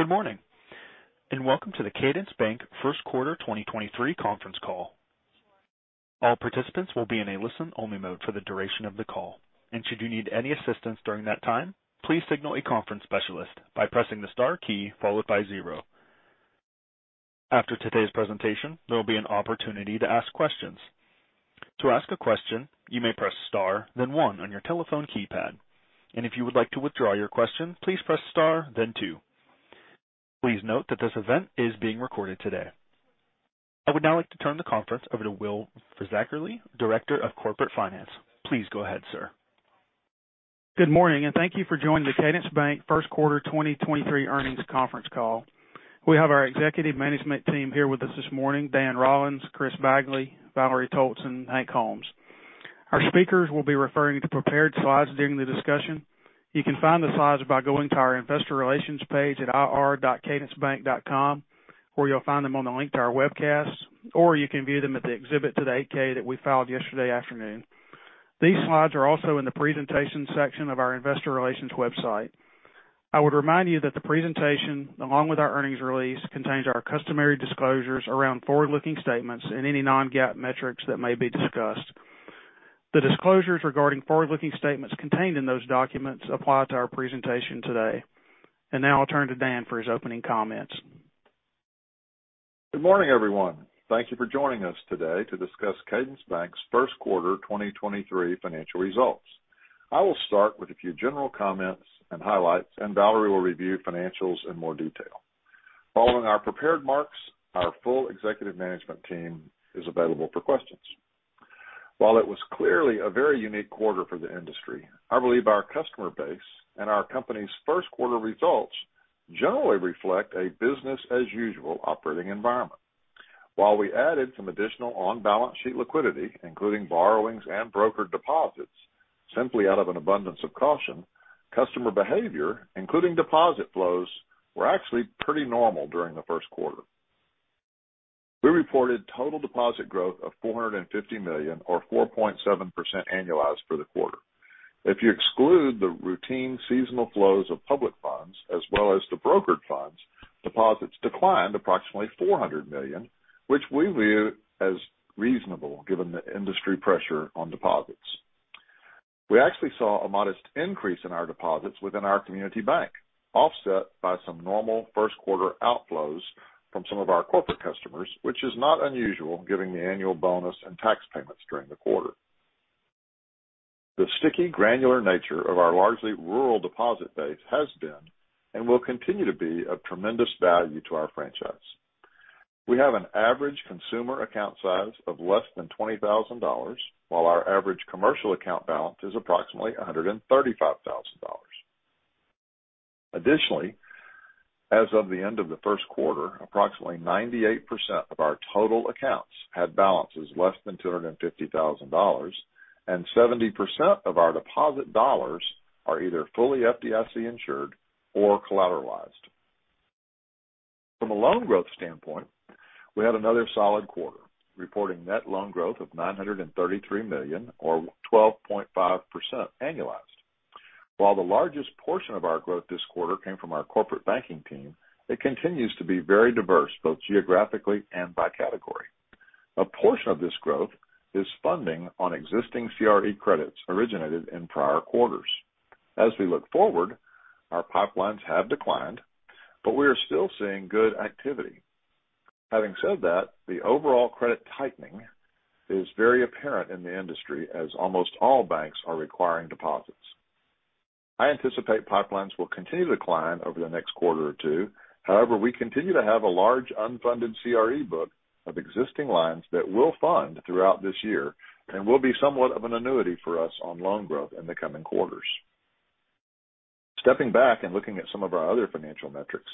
Good morning, welcome to the Cadence Bank Q1 2023 conference call. All participants will be in a listen-only mode for the duration of the call. Should you need any assistance during that time, please signal a conference specialist by pressing the star key followed by zero. After today's presentation, there will be an opportunity to ask questions. To ask a question, you may press star, then one on your telephone keypad. If you would like to withdraw your question, please press star, then two. Please note that this event is being recorded today. I would now like to turn the conference over to Will Fisackerly, Director of Corporate Finance. Please go ahead, sir. Good morning, and thank you for joining the Cadence Bank Q1 2023 earnings conference call. We have our executive management team here with us this morning, Dan Rollins, Chris Bagley, Valerie Toalson, Hank Holmes. Our speakers will be referring to prepared slides during the discussion. You can find the slides by going to our investor relations page at ir.cadencebank.com, or you'll find them on the link to our webcast, or you can view them at the exhibit to the 8-K that we filed yesterday afternoon. These slides are also in the presentation section of our investor relations website. I would remind you that the presentation, along with our earnings release, contains our customary disclosures around forward-looking statements and any non-GAAP metrics that may be discussed. The disclosures regarding forward-looking statements contained in those documents apply to our presentation today. Now I'll turn to Dan for his opening comments. Good morning, everyone. Thank you for joining us today to discuss Cadence Bank's Q1 2023 financial results. I will start with a few general comments and highlights. Valerie will review financials in more detail. Following our prepared marks, our full executive management team is available for questions. While it was clearly a very unique quarter for the industry, I believe our customer base and our company's Q1 results generally reflect a business as usual operating environment. While we added some additional on-balance sheet liquidity, including borrowings and brokered deposits, simply out of an abundance of caution, customer behavior, including deposit flows, were actually pretty normal during the Q1. We reported total deposit growth of $450 million or 4.7% annualized for the quarter. If you exclude the routine seasonal flows of public funds as well as the brokered funds, deposits declined approximately $400 million, which we view as reasonable given the industry pressure on deposits. We actually saw a modest increase in our deposits within our community bank, offset by some normal Q1 outflows from some of our corporate customers, which is not unusual given the annual bonus and tax payments during the quarter. The sticky, granular nature of our largely rural deposit base has been and will continue to be of tremendous value to our franchise. We have an average consumer account size of less than $20,000, while our average commercial account balance is approximately $135,000. Additionally, as of the end of the Q1, approximately 98% of our total accounts had balances less than $250,000, and 70% of our deposit dollars are either fully FDIC-insured or collateralized. From a loan growth standpoint, we had another solid quarter, reporting net loan growth of $933 million or 12.5% annualized. While the largest portion of our growth this quarter came from our corporate banking team, it continues to be very diverse, both geographically and by category. A portion of this growth is funding on existing CRE credits originated in prior quarters. As we look forward, our pipelines have declined, but we are still seeing good activity. Having said that, the overall credit tightening is very apparent in the industry as almost all banks are requiring deposits. I anticipate pipelines will continue to decline over the next quarter or two. We continue to have a large unfunded CRE book of existing lines that we'll fund throughout this year and will be somewhat of an annuity for us on loan growth in the coming quarters. Stepping back and looking at some of our other financial metrics,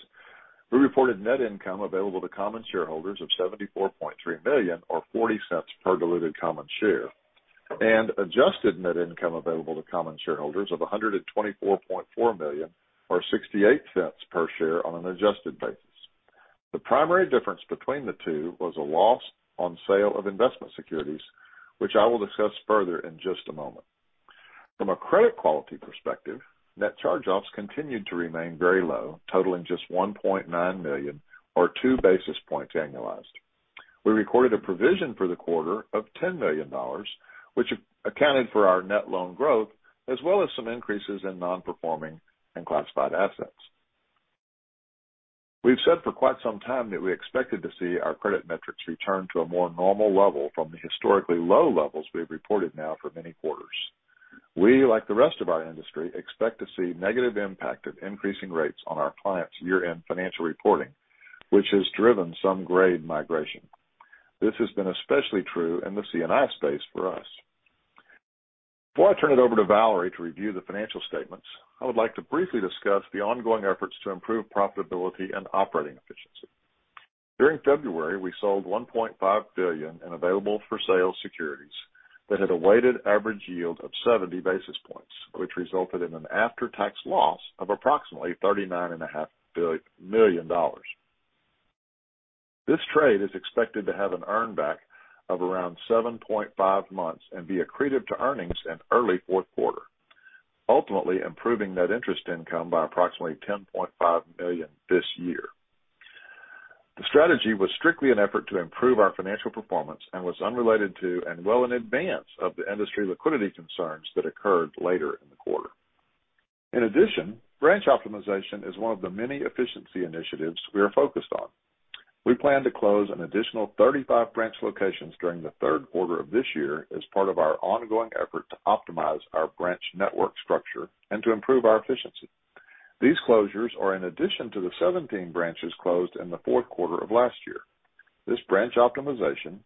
we reported net income available to common shareholders of $74.3 million or $0.40 per diluted common share, and adjusted net income available to common shareholders of $124.4 million or $0.68 per share on an adjusted basis. The primary difference between the two was a loss on sale of investment securities, which I will discuss further in just a moment. From a credit quality perspective, net charge-offs continued to remain very low, totaling just $1.9 million or two basis points annualized. We recorded a provision for the quarter of $10 million, which accounted for our net loan growth, as well as some increases in non-performing and classified assets. We've said for quite some time that we expected to see our credit metrics return to a more normal level from the historically low levels we've reported now for many quarters. We, like the rest of our industry, expect to see negative impact of increasing rates on our clients' year-end financial reporting, which has driven some grade migration. This has been especially true in the C&I space for us. Before I turn it over to Valerie to review the financial statements, I would like to briefly discuss the ongoing efforts to improve profitability and operating efficiency. During February, we sold $1.5 billion in available-for-sale securities that had a weighted average yield of 70 basis points, which resulted in an after-tax loss of approximately $39.5 million dollars. This trade is expected to have an earn back of around 7.5 months and be accretive to earnings in early Q4, ultimately improving net interest income by approximately $10.5 million this year. The strategy was strictly an effort to improve our financial performance and was unrelated to and well in advance of the industry liquidity concerns that occurred later in the quarter. In addition, branch optimization is one of the many efficiency initiatives we are focused on. We plan to close an additional 35 branch locations during the third quarter of this year as part of our ongoing effort to optimize our branch network structure and to improve our efficiency. These closures are in addition to the 17 branches closed in the Q4 of last year. This branch optimization,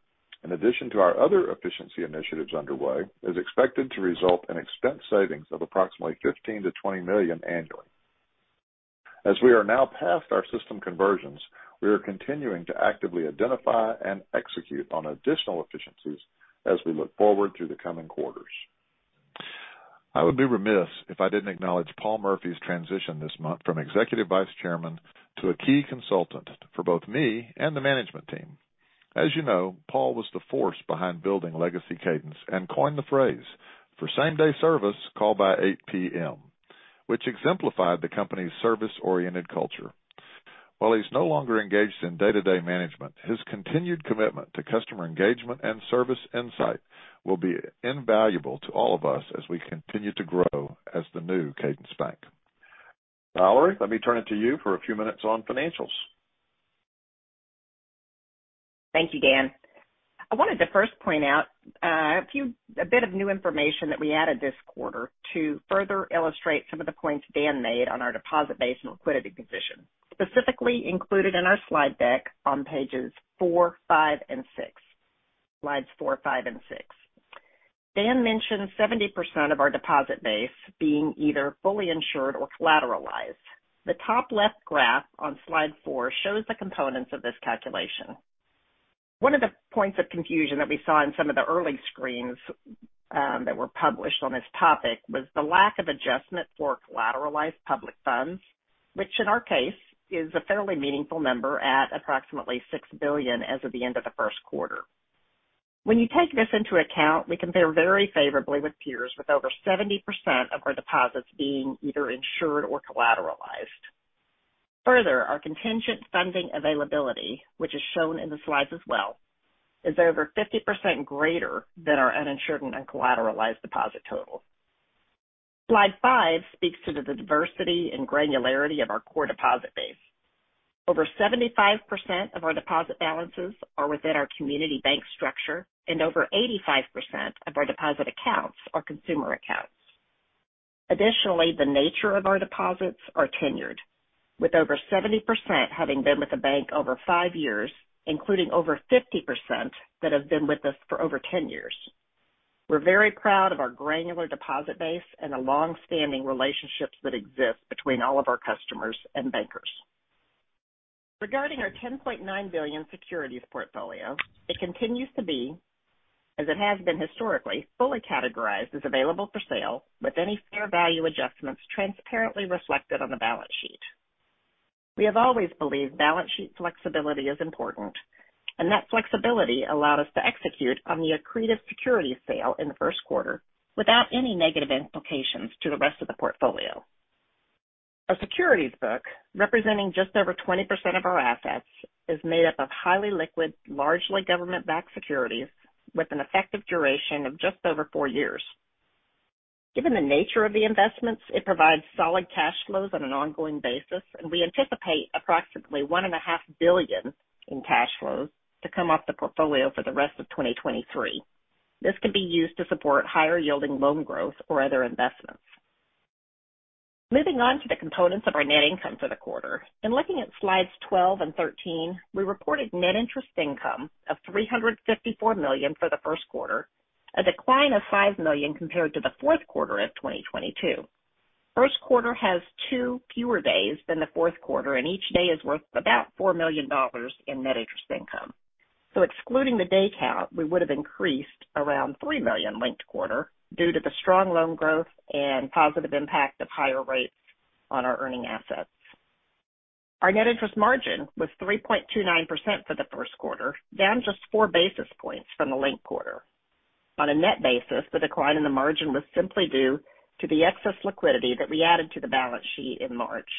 in addition to our other efficiency initiatives underway, is expected to result in expense savings of approximately $15 million-$20 million annually. As we are now past our system conversions, we are continuing to actively identify and execute on additional efficiencies as we look forward through the coming quarters. I would be remiss if I didn't acknowledge Paul Murphy's transition this month from Executive Vice Chairman to a key consultant for both me and the management team. As you know, Paul was the force behind building legacy Cadence and coined the phrase, "For same-day service call by eight PM," which exemplified the company's service-oriented culture. While he's no longer engaged in day-to-day management, his continued commitment to customer engagement and service insight will be invaluable to all of us as we continue to grow as the new Cadence Bank. Valerie, let me turn it to you for a few minutes on financials. Thank you, Dan. I wanted to first point out, a bit of new information that we added this quarter to further illustrate some of the points Dan made on our deposit base and liquidity position, specifically included in our slide deck on pages four, five, and 6. Slides 4, 5 and 6. Dan mentioned 70% of our deposit base being either fully insured or collateralized. The top left graph on slide 4 shows the components of this calculation. One of the points of confusion that we saw in some of the early screens, that were published on this topic was the lack of adjustment for collateralized public funds, which in our case is a fairly meaningful number at approximately $6 billion as of the end of the Q1. When you take this into account, we compare very favorably with peers, with over 70% of our deposits being either insured or collateralized. Our contingent funding availability, which is shown in the slides as well, is over 50% greater than our uninsured and collateralized deposit total. Slide five speaks to the diversity and granularity of our core deposit base. Over 75% of our deposit balances are within our community bank structure and over 85% of our deposit accounts are consumer accounts. The nature of our deposits are tenured, with over 70% having been with the bank over five years, including over 50% that have been with us for over 10 years. We're very proud of our granular deposit base and the long-standing relationships that exist between all of our customers and bankers. Regarding our $10.9 billion securities portfolio, it continues to be, as it has been historically, fully categorized as available for sale, with any fair value adjustments transparently reflected on the balance sheet. We have always believed balance sheet flexibility is important, and that flexibility allowed us to execute on the accretive securities sale in the Q1 without any negative implications to the rest of the portfolio. Our securities book, representing just over 20% of our assets, is made up of highly liquid, largely government-backed securities with an effective duration of just over 4 years. Given the nature of the investments, it provides solid cash flows on an ongoing basis, and we anticipate approximately $1.5 billion in cash flows to come off the portfolio for the rest of 2023. This can be used to support higher yielding loan growth or other investments. Moving on to the components of our net income for the quarter and looking at slides 12 and 13, we reported net interest income of $354 million for the Q1, a decline of $5 million compared to the Q4 of 2022. Q1 has 2 fewer days than the Q4, and each day is worth about $4 million in net interest income. Excluding the day count, we would have increased around $3 million linked quarter due to the strong loan growth and positive impact of higher rates on our earning assets. Our net interest margin was 3.29% for the Q1, down just 4 basis points from the linked quarter. On a net basis, the decline in the margin was simply due to the excess liquidity that we added to the balance sheet in March,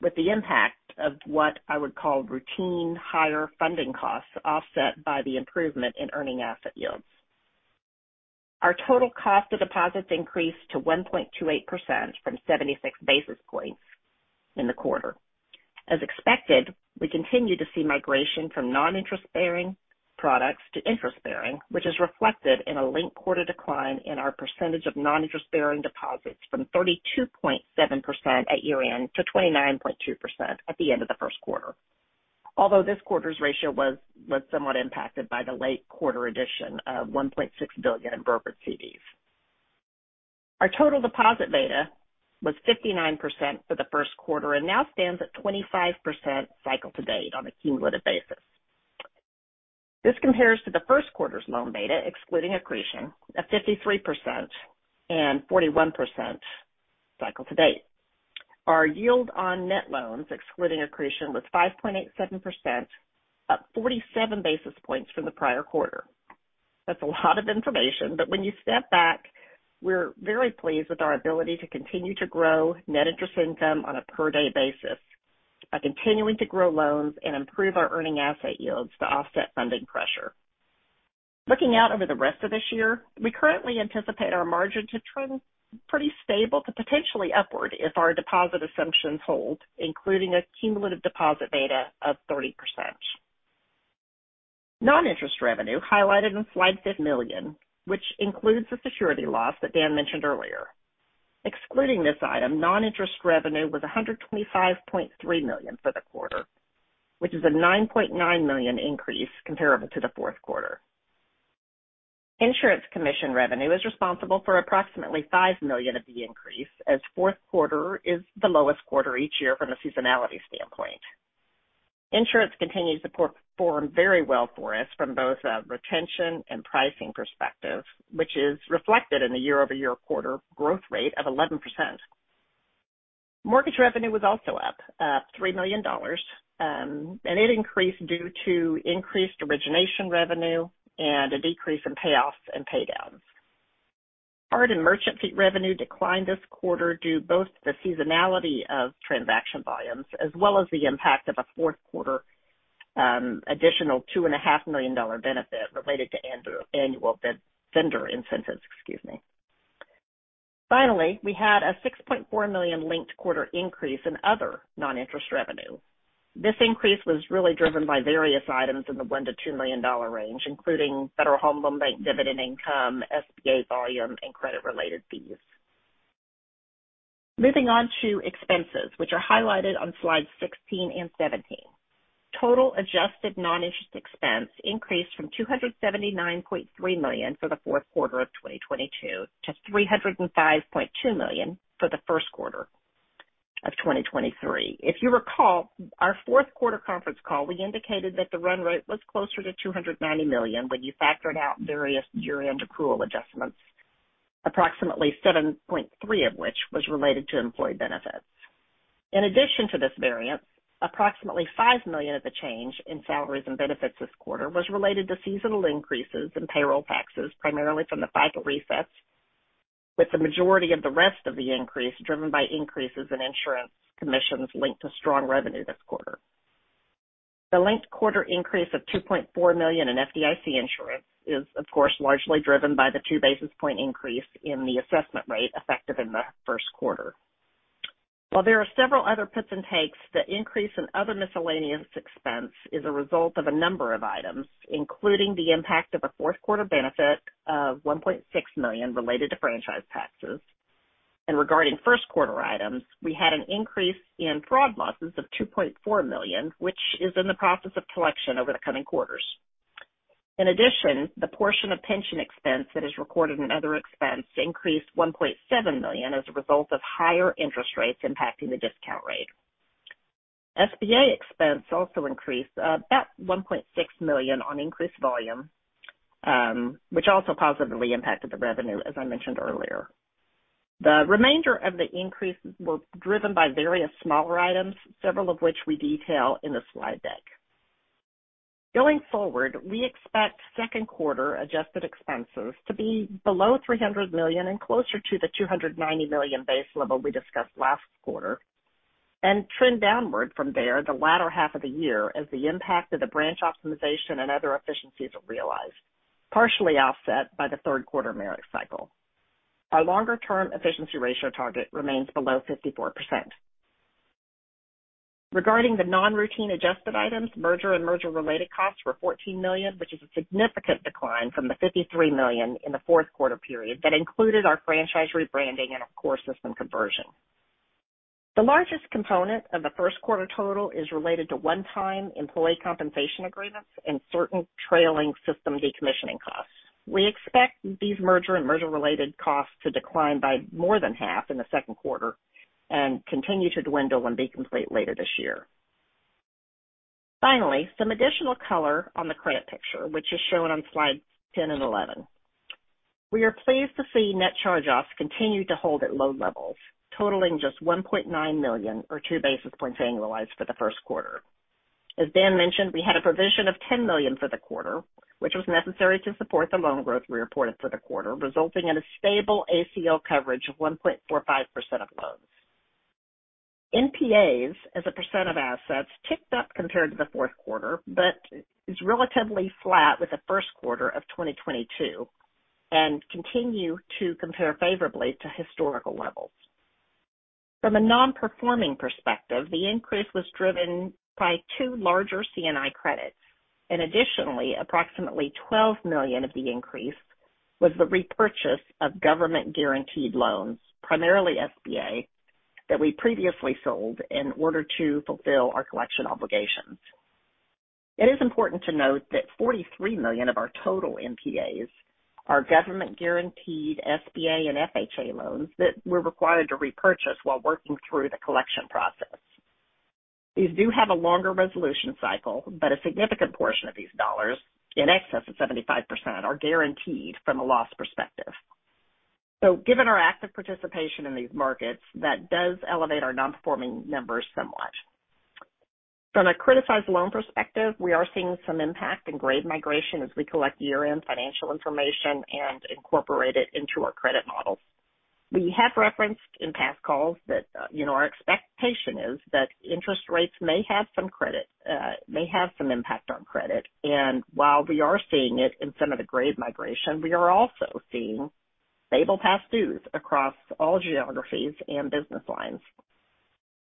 with the impact of what I would call routine higher funding costs offset by the improvement in earning asset yields. Our total cost of deposits increased to 1.28% from 76 basis points in the quarter. As expected, we continue to see migration from non-interest bearing products to interest bearing, which is reflected in a linked quarter decline in our percentage of non-interest bearing deposits from 32.7% at year-end to 29.2% at the end of the Q1. Although this quarter's ratio was somewhat impacted by the late quarter addition of $1.6 billion in brokered CDs. Our total deposit beta was 59% for the Q1 and now stands at 25% cycle to date on a cumulative basis. This compares to the Q1's loan beta, excluding accretion of 53% and 41% cycle to date. Our yield on net loans, excluding accretion, was 5.87%, up 47 basis points from the prior quarter. That's a lot of information, but when you step back, we're very pleased with our ability to continue to grow net interest income on a per day basis by continuing to grow loans and improve our earning asset yields to offset funding pressure. Looking out over the rest of this year, we currently anticipate our margin to trend pretty stable to potentially upward if our deposit assumptions hold, including a cumulative deposit beta of 30%. Non-interest revenue highlighted in slide 15 million, which includes the security loss that Dan mentioned earlier. Excluding this item, non-interest revenue was $125.3 million for the quarter, which is a $9.9 million increase comparable to the Q4. Insurance commission revenue is responsible for approximately $5 million of the increase as Q4 is the lowest quarter each year from a seasonality standpoint. Insurance continues to perform very well for us from both a retention and pricing perspective, which is reflected in the year-over-year quarter growth rate of 11%. Mortgage revenue was also up, $3 million. It increased due to increased origination revenue and a decrease in payoffs and pay downs. Card and merchant fee revenue declined this quarter due both to the seasonality of transaction volumes as well as the impact of a Q4, additional $two and a half million dollar benefit related to vendor incentives. Excuse me. We had a $6.4 million linked quarter increase in other non-interest revenue. This increase was really driven by various items in the $1 million-$2 million range, including Federal Home Loan Bank dividend income, SBA volume, and credit related fees. Moving on to expenses which are highlighted on slides 16 and 17. Total adjusted non-interest expense increased from $279.3 million for the Q4 of 2022 to $305.2 million for the Q1 of 2023. If you recall, our Q4 conference call, we indicated that the run rate was closer to $290 million when you factored out various year-end accrual adjustments, approximately $7.3 million of which was related to employee benefits. In addition to this variance, approximately $5 million of the change in salaries and benefits this quarter was related to seasonal increases in payroll taxes, primarily from the FICA resets, with the majority of the rest of the increase driven by increases in insurance commissions linked to strong revenue this quarter. The linked quarter increase of $2.4 million in FDIC insurance is of course, largely driven by the 2 basis point increase in the assessment rate effective in the Q1. While there are several other puts and takes, the increase in other miscellaneous expense is a result of a number of items, including the impact of a Q4 benefit of $1.6 million related to franchise taxes. Regarding Q1 items, we had an increase in fraud losses of $2.4 million, which is in the process of collection over the coming quarters. In addition, the portion of pension expense that is recorded in other expense increased $1.7 million as a result of higher interest rates impacting the discount rate. SBA expense also increased about $1.6 million on increased volume, which also positively impacted the revenue, as I mentioned earlier. The remainder of the increases were driven by various smaller items, several of which we detail in the slide deck. Going forward, we expect second quarter adjusted expenses to be below $300 million and closer to the $290 million base level we discussed last quarter. Trend downward from there the latter half of the year as the impact of the branch optimization and other efficiencies are realized, partially offset by the third quarter merit cycle. Our longer term efficiency ratio target remains below 54%. Regarding the non-routine adjusted items, merger and merger related costs were $14 million, which is a significant decline from the $53 million in the Q4 period that included our franchise rebranding and our core system conversion. The largest component of the Q1 total is related to one-time employee compensation agreements and certain trailing system decommissioning costs. We expect these merger and merger related costs to decline by more than half in the second quarter and continue to dwindle and be complete later this year. Finally, some additional color on the credit picture, which is shown on slides 10 and 11. We are pleased to see net charge-offs continue to hold at low levels totaling just $1.9 million or 2 basis points annualized for the Q1. As Dan mentioned, we had a provision of $10 million for the quarter, which was necessary to support the loan growth we reported for the quarter, resulting in a stable ACL coverage of 1.45% of loans. NPAs as a percent of assets ticked up compared to the Q4, but is relatively flat with the Q1 of 2022, and continue to compare favorably to historical levels. From a non-performing perspective, the increase was driven by 2 larger C&I credits, and additionally, approximately $12 million of the increase was the repurchase of government guaranteed loans, primarily SBA, that we previously sold in order to fulfill our collection obligations. It is important to note that $43 million of our total NPAs are government guaranteed SBA and FHA loans that we're required to repurchase while working through the collection process. These do have a longer resolution cycle, but a significant portion of these dollars, in excess of 75%, are guaranteed from a loss perspective. Given our active participation in these markets, that does elevate our non-performing numbers somewhat. From a criticized loan perspective, we are seeing some impact in grade migration as we collect year-end financial information and incorporate it into our credit models. We have referenced in past calls that, you know, our expectation is that interest rates may have some credit, may have some impact on credit. While we are seeing it in some of the grade migration, we are also seeing stable past dues across all geographies and business lines.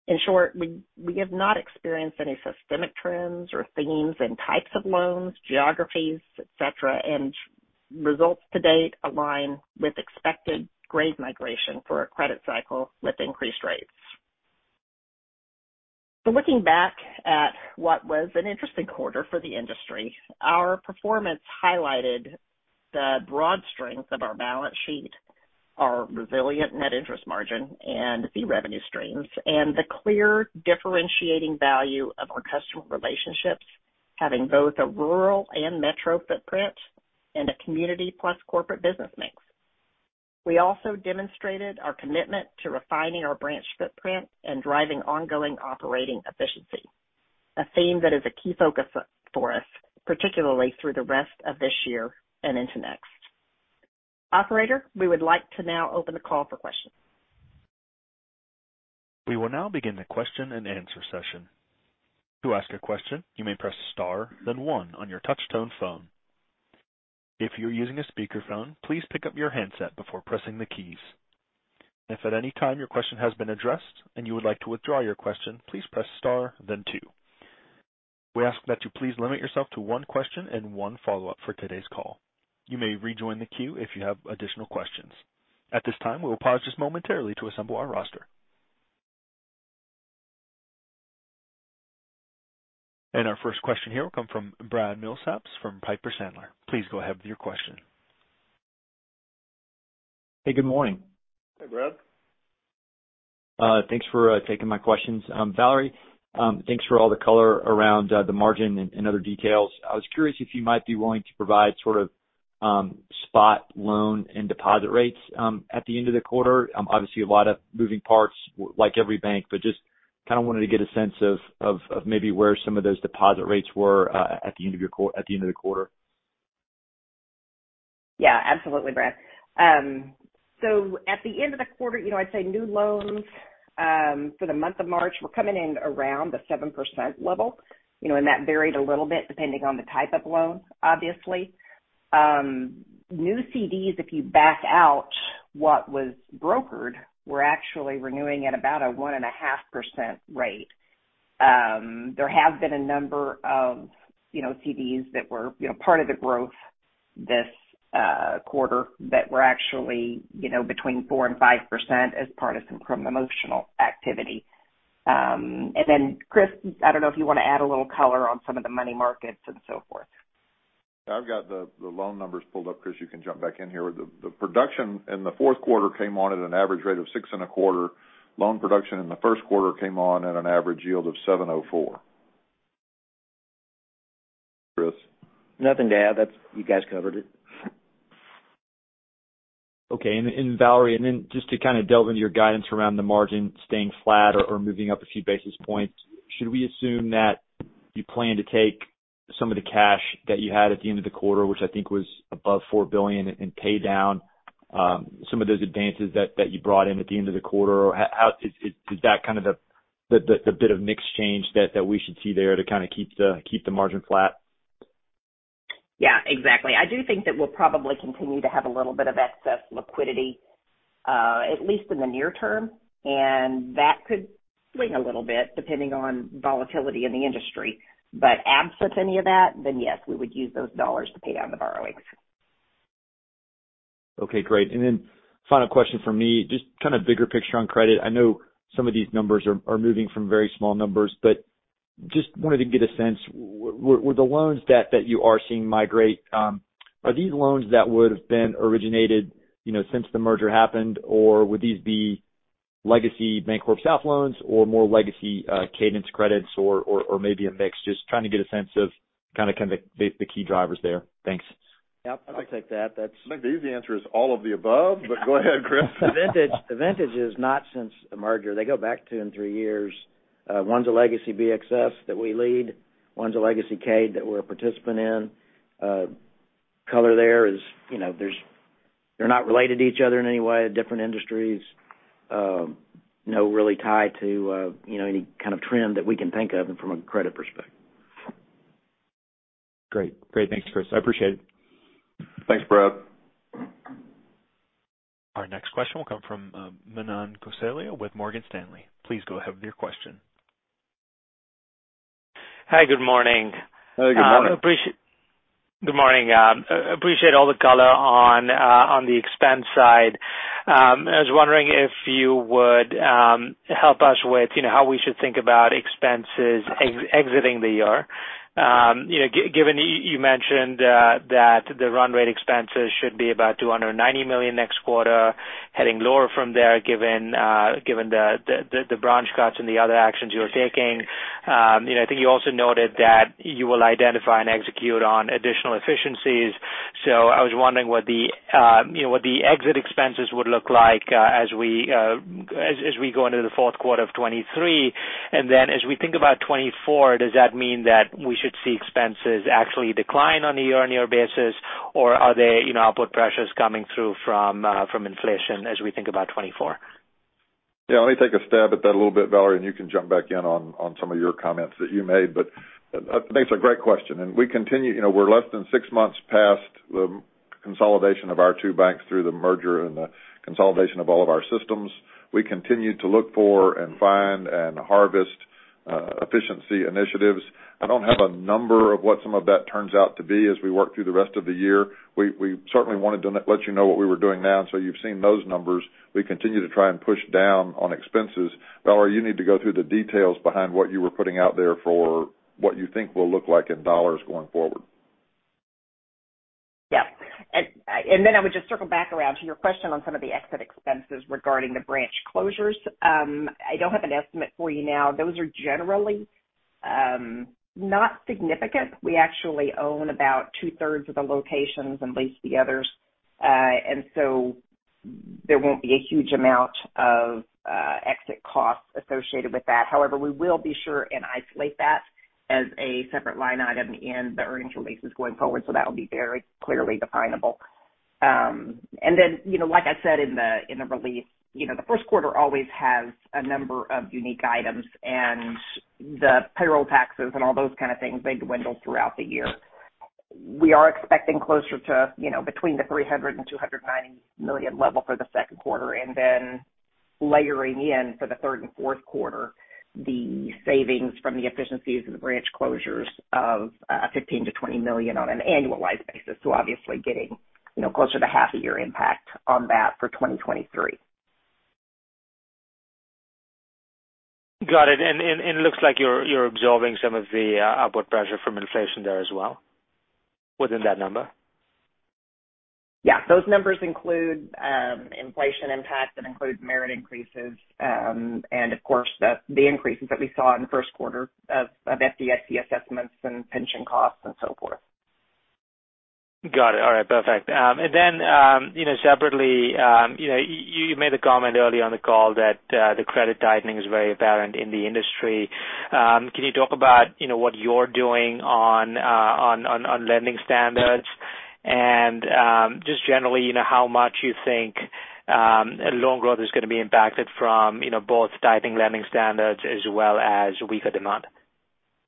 In short, we have not experienced any systemic trends or themes in types of loans, geographies, et cetera, and results to date align with expected grade migration for a credit cycle with increased rates. Looking back at what was an interesting quarter for the industry, our performance highlighted the broad strength of our balance sheet, our resilient net interest margin and fee revenue streams, and the clear differentiating value of our customer relationships, having both a rural and metro footprint and a community plus corporate business mix. We also demonstrated our commitment to refining our branch footprint and driving ongoing operating efficiency, a theme that is a key focus for us, particularly through the rest of this year and into next. Operator, we would like to now open the call for questions. We will now begin the question-and-answer session. To ask a question, you may press star then 1 on your touchtone phone. If you're using a speakerphone, please pick up your handset before pressing the keys. If at any time your question has been addressed and you would like to withdraw your question, please press star then 2. We ask that you please limit yourself to 1 question and 1 follow-up for today's call. You may rejoin the queue if you have additional questions. At this time, we will pause just momentarily to assemble our roster. Our first question here will come from Brad Milsaps from Piper Sandler. Please go ahead with your question. Hey, good morning. Hey, Brad. Thanks for taking my questions. Valerie, thanks for all the color around the margin and other details. I was curious if you might be willing to provide sort of spot loan and deposit rates at the end of the quarter. Obviously a lot of moving parts like every bank, but just kind of wanted to get a sense of maybe where some of those deposit rates were at the end of your at the end of the quarter. Absolutely, Brad. At the end of the quarter, you know, I'd say new loans, for the month of March were coming in around the 7% level, you know, and that varied a little bit depending on the type of loan, obviously. New CDs, if you back out what was brokered, were actually renewing at about a 1.5% rate. There have been a number of, you know, CDs that were, you know, part of the growth this quarter that were actually, you know, between 4%-5% as part of some promotional activity. Then Chris, I don't know if you wanna add a little color on some of the money markets and so forth. I've got the loan numbers pulled up. Chris, you can jump back in here. The production in the Q4 came on at an average rate of 6.25%. Loan production in the Q1 came on at an average yield of 7.04%. Chris? Nothing to add. You guys covered it. Okay. Valerie, then just to kind of delve into your guidance around the margin staying flat or moving up a few basis points, should we assume that you plan to take some of the cash that you had at the end of the quarter, which I think was above $4 billion, and pay down some of those advances that you brought in at the end of the quarter? Or how is that kind of the bit of mix change that we should see there to kinda keep the margin flat? Yeah, exactly. I do think that we'll probably continue to have a little bit of excess liquidity, at least in the near term, and that could swing a little bit depending on volatility in the industry. Absent any of that, yes, we would use those dollars to pay down the borrowings. Okay, great. Final question from me, just kind of bigger picture on credit. I know some of these numbers are moving from very small numbers, but just wanted to get a sense. Were the loans that you are seeing migrate, are these loans that would have been originated, you know, since the merger happened? Or would these be legacy BancorpSouth loans or more legacy Cadence credits or maybe a mix? Just trying to get a sense of kinda the key drivers there. Thanks. Yeah, I'll take that. I think the easy answer is all of the above. Go ahead, Chris. The Vantage is not since the merger. They go back two and three years. One's a legacy BXS that we lead, one's a legacy CADE that we're a participant in. Color there is, you know, they're not related to each other in any way, different industries. No really tied to, you know, any kind of trend that we can think of from a credit perspective. Great. Thanks, Chris. I appreciate it. Thanks, Brad. Our next question will come from Manan Gosalia with Morgan Stanley. Please go ahead with your question. Hi, good morning. Hey, good morning. Good morning. Appreciate all the color on the expense side. I was wondering if you would help us with, you know, how we should think about expenses exiting the year. You know, given you mentioned that the run rate expenses should be about $290 million next quarter, heading lower from there, given the branch cuts and the other actions you are taking. You know, I think you also noted that you will identify and execute on additional efficiencies. I was wondering what the, you know, what the exit expenses would look like as we go into the Q4 of 2023. As we think about 2024, does that mean that we should see expenses actually decline on a year-on-year basis, or are they, you know, upward pressures coming through from inflation as we think about 2024? Yeah. Let me take a stab at that a little bit, Valerie, and you can jump back in on some of your comments that you made. I think it's a great question. We continue. You know, we're less than 6 months past the consolidation of our 2 banks through the merger and the consolidation of all of our systems. We continue to look for and find and harvest efficiency initiatives. I don't have a number of what some of that turns out to be as we work through the rest of the year. We certainly wanted to let you know what we were doing now, so you've seen those numbers. We continue to try and push down on expenses. Valerie, you need to go through the details behind what you were putting out there for what you think will look like in dollars going forward. Then I would just circle back around to your question on some of the exit expenses regarding the branch closures. I don't have an estimate for you now. Those are generally not significant. We actually own about two-thirds of the locations and lease the others. So there won't be a huge amount of exit costs associated with that. However, we will be sure and isolate that as a separate line item in the earnings releases going forward, so that will be very clearly definable. Then, you know, like I said in the, in the release, you know, the Q1 always has a number of unique items, and the payroll taxes and all those kind of things, they dwindle throughout the year. We are expecting closer to, you know, between the $300 million and $290 million level for the second quarter, and then layering in for the third and Q4, the savings from the efficiencies of the branch closures of $15 million-$20 million on an annualized basis. Obviously getting, you know, closer to half a year impact on that for 2023. Got it. Looks like you're absorbing some of the upward pressure from inflation there as well within that number. Those numbers include inflation impact. That includes merit increases, and of course, the increases that we saw in the Q1 of FDIC assessments and pension costs and so forth. Got it. All right, perfect. You know, separately, you know, you made the comment earlier on the call that the credit tightening is very apparent in the industry. Can you talk about, you know, what you're doing on lending standards? Just generally, you know, how much you think loan growth is gonna be impacted from, you know, both tightening lending standards as well as weaker demand.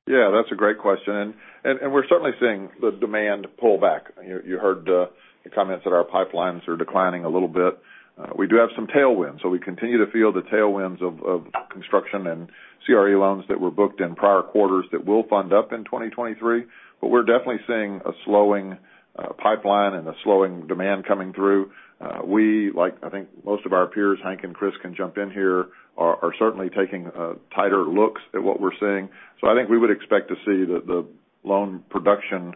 Yeah, that's a great question. We're certainly seeing the demand pull back. You heard the comments that our pipelines are declining a little bit. We do have some tailwinds. We continue to feel the tailwinds of construction and CRE loans that were booked in prior quarters that will fund up in 2023. We're definitely seeing a slowing pipeline and a slowing demand coming through. We, like I think most of our peers, Hank and Chris can jump in here, are certainly taking tighter looks at what we're seeing. I think we would expect to see the loan production,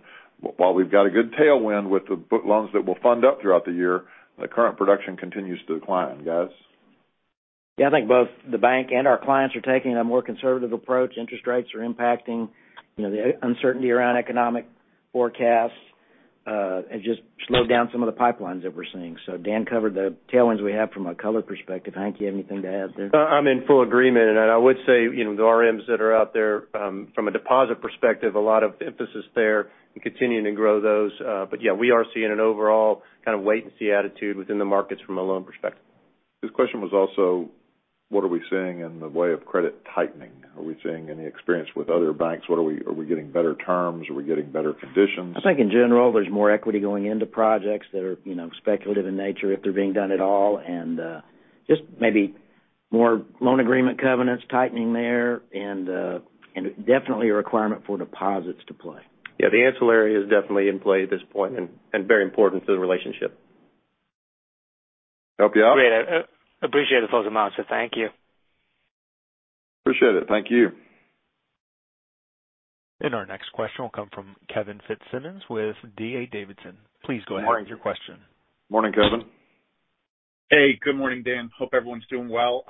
while we've got a good tailwind with the book loans that will fund up throughout the year, the current production continues to decline. Guys? Yeah. I think both the bank and our clients are taking a more conservative approach. Interest rates are impacting, you know, the uncertainty around economic forecasts, and just slowed down some of the pipelines that we're seeing. Dan covered the tailwinds we have from a color perspective. Hank, you have anything to add there? I'm in full agreement. I would say, you know, the RMs that are out there, from a deposit perspective, a lot of emphasis there in continuing to grow those. We are seeing an overall kind of wait and see attitude within the markets from a loan perspective. His question was also what are we seeing in the way of credit tightening? Are we seeing any experience with other banks? What are we getting better terms? Are we getting better conditions? I think in general, there's more equity going into projects that are, you know, speculative in nature, if they're being done at all. Just maybe more loan agreement covenants tightening there and definitely a requirement for deposits to play. The ancillary is definitely in play at this point and very important to the relationship. Help you out? Great. appreciate the full amounts. Thank you. Appreciate it. Thank you. Our next question will come from Kevin Fitzsimmons with D.A. Davidson. Please go ahead with your question. Morning, Kevin. Hey, good morning, Dan. Hope everyone's doing well.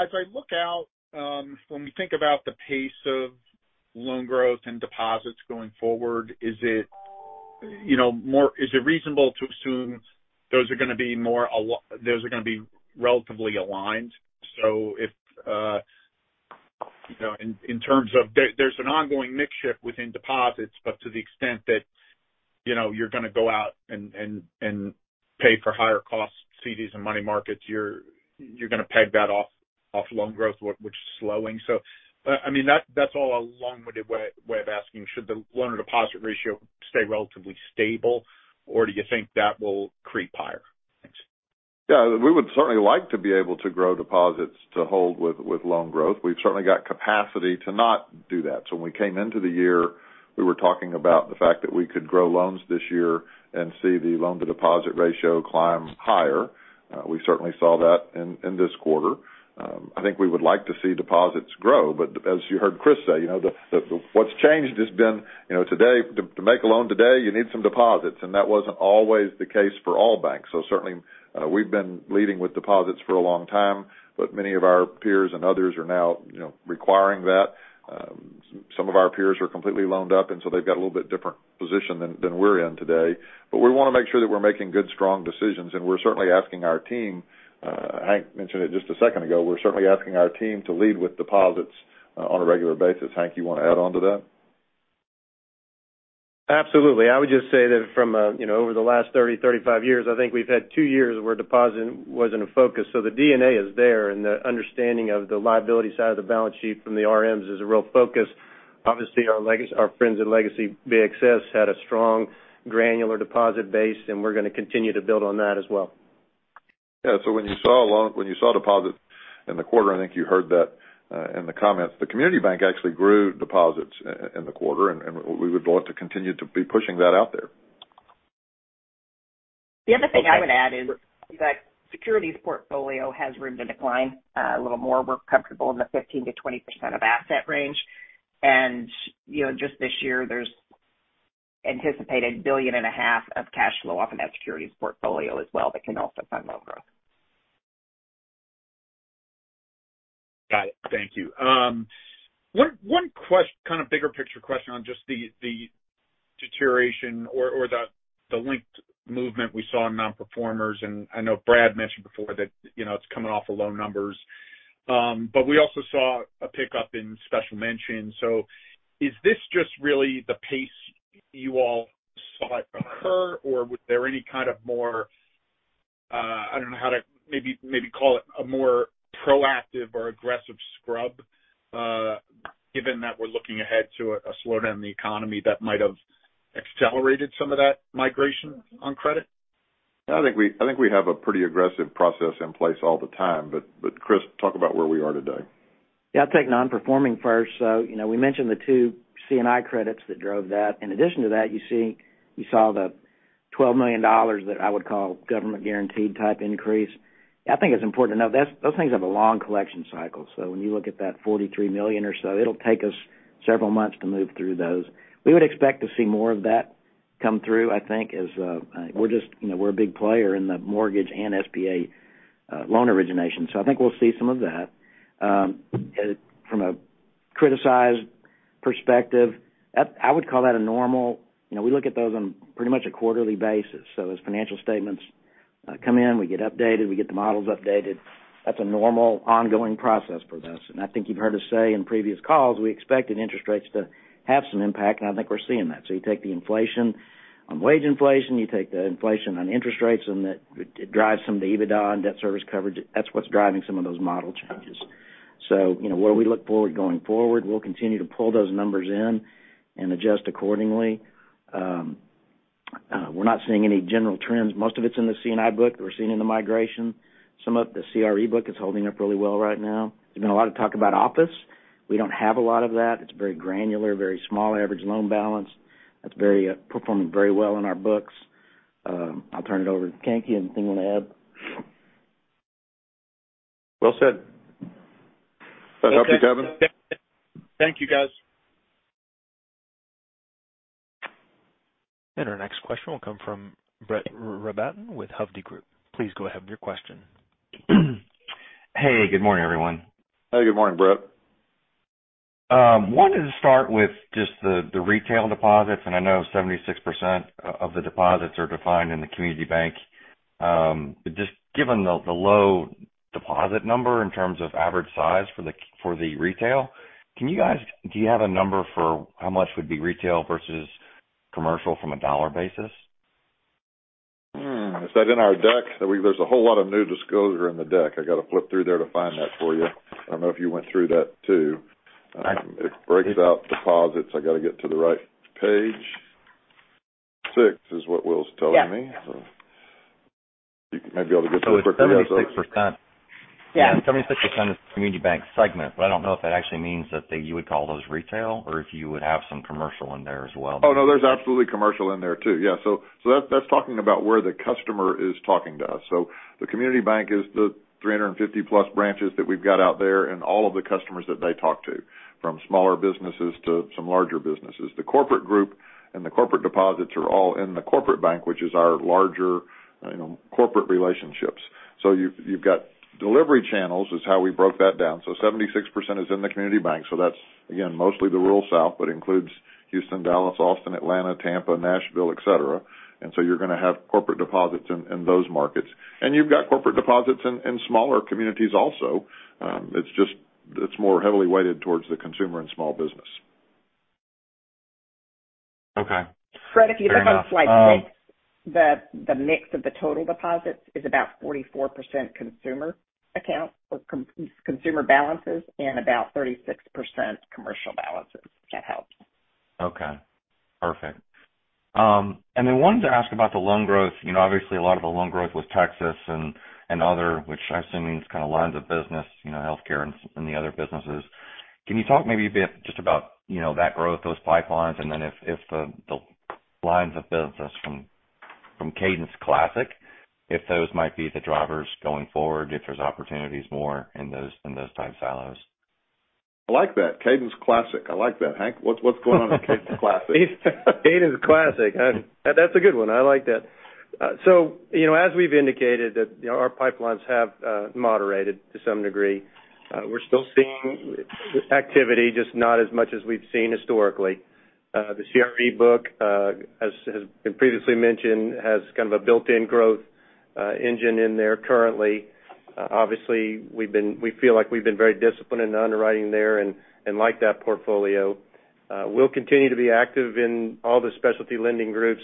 As I look out, when we think about the pace of loan growth and deposits going forward, is it, you know, reasonable to assume those are gonna be relatively aligned? If, you know, in terms of there's an ongoing mix shift within deposits, but to the extent that, you know, you're gonna go out and pay for higher cost CDs and money markets, you're gonna peg that off loan growth, which is slowing. I mean, that's all a long-winded way of asking, should the loan-to-deposit ratio stay relatively stable, or do you think that will creep higher? Thanks. Yeah. We would certainly like to be able to grow deposits to hold with loan growth. We've certainly got capacity to not do that. When we came into the year, we were talking about the fact that we could grow loans this year and see the loan-to-deposit ratio climb higher. We certainly saw that in this quarter. I think we would like to see deposits grow. As you heard Chris say, you know, the what's changed has been, you know, today, to make a loan today, you need some deposits, and that wasn't always the case for all banks. Certainly, we've been leading with deposits for a long time, but many of our peers and others are now, you know, requiring that. Some of our peers are completely loaned up, they've got a little bit different position than we're in today. We wanna make sure that we're making good, strong decisions, we're certainly asking our team, Hank mentioned it just a second ago, we're certainly asking our team to lead with deposits on a regular basis. Hank, you wanna add on to that? Absolutely. I would just say that from, you know, over the last 35 years, I think we've had two years where deposit wasn't a focus. The DNA is there, and the understanding of the liability side of the balance sheet from the RMs is a real focus. Obviously, our friends at Legacy BXS had a strong granular deposit base, and we're gonna continue to build on that as well. Yeah. When you saw a loan, when you saw deposits in the quarter, I think you heard that in the comments. The community bank actually grew deposits in the quarter, and we would want to continue to be pushing that out there. The other thing I would add is that securities portfolio has room to decline a little more. We're comfortable in the 15% to 20% of asset range. You know, just this year, there's anticipated billion and a half of cash flow off of that securities portfolio as well that can also fund loan growth. Got it. Thank you. One kind of bigger picture question on just the deterioration or the linked movement we saw in nonperformers, and I know Brad mentioned before that, you know, it's coming off of loan numbers. We also saw a pickup in special mention. Is this just really the pace you all saw occur, or was there any kind of more, I don't know how to maybe call it a more proactive or aggressive scrub, given that we're looking ahead to a slowdown in the economy that might have accelerated some of that migration on credit? I think we, I think we have a pretty aggressive process in place all the time. Chris, talk about where we are today. I'll take nonperforming first. You know, we mentioned the 2 C&I credits that drove that. In addition to that, you saw the $12 million that I would call government guaranteed type increase. I think it's important to know those things have a long collection cycle. When you look at that $43 million or so, it'll take us several months to move through those. We would expect to see more of that come through, I think, as we're just, you know, we're a big player in the mortgage and SBA loan origination. I think we'll see some of that. From a criticized perspective, I would call that a normal. You know, we look at those on pretty much a quarterly basis. As financial statements come in, we get updated, we get the models updated. That's a normal ongoing process for us. I think you've heard us say in previous calls, we expected interest rates to have some impact, and I think we're seeing that. You take the inflation on wage inflation, you take the inflation on interest rates, and that it drives some of the EBITDA and debt service coverage. That's what's driving some of those model changes. You know, where we look forward going forward, we'll continue to pull those numbers in and adjust accordingly. We're not seeing any general trends. Most of it's in the C&I book that we're seeing in the migration. Some of the CRE book is holding up really well right now. There's been a lot of talk about office. We don't have a lot of that. It's very granular, very small average loan balance. It's very, performing very well in our books. I'll turn it over to Hank. Anything you wanna add? Well said. Does that help you, Kevin? Thank you, guys. Our next question will come from Brett Rabatin with Hovde Group. Please go ahead with your question. Hey, good morning, everyone. Hey, good morning, Brett. Wanted to start with just the retail deposits. I know 76% of the deposits are defined in the community bank. Just given the low deposit number in terms of average size for the, for the retail, do you have a number for how much would be retail versus commercial from a dollar basis? Is that in our deck? There's a whole lot of new disclosure in the deck. I got to flip through there to find that for you. I don't know if you went through that too. It breaks out deposits. I got to get to the right page. Six is what Will's telling me. Yes. You may be able to get there quicker. It's 76%. Yeah. 76% is community bank segment, I don't know if that actually means that you would call those retail or if you would have some commercial in there as well. Oh, no, there's absolutely commercial in there too. Yeah, that's talking about where the customer is talking to us. The community bank is the 350 plus branches that we've got out there and all of the customers that they talk to, from smaller businesses to some larger businesses. The corporate group and the corporate deposits are all in the corporate bank, which is our larger, you know, corporate relationships. You've got delivery channels is how we broke that down. 76% is in the community bank. That's again, mostly the rural South, but includes Houston, Dallas, Austin, Atlanta, Tampa, Nashville, et cetera. You're gonna have corporate deposits in those markets. You've got corporate deposits in smaller communities also. It's just, it's more heavily weighted towards the consumer and small business. Okay. Brett, if you look on slide 6, the mix of the total deposits is about 44% consumer accounts or consumer balances and about 36% commercial balances. If that helps. Okay. Perfect. wanted to ask about the loan growth. You know, obviously a lot of the loan growth was Texas and other, which I assume means kind of lines of business, you know, healthcare and the other businesses. Can you talk maybe a bit just about, you know, that growth, those pipelines, and then if the lines of business From Cadence Classic, if those might be the drivers going forward, if there's opportunities more in those type silos? I like that. Cadence Classic. I like that, Hank. What's going on with Cadence Classic? Cadence Classic. That's a good one. I like that. You know, as we've indicated that our pipelines have moderated to some degree. We're still seeing activity, just not as much as we've seen historically. The CRE book, as been previously mentioned, has kind of a built-in growth engine in there currently. Obviously, we feel like we've been very disciplined in underwriting there and like that portfolio. We'll continue to be active in all the specialty lending groups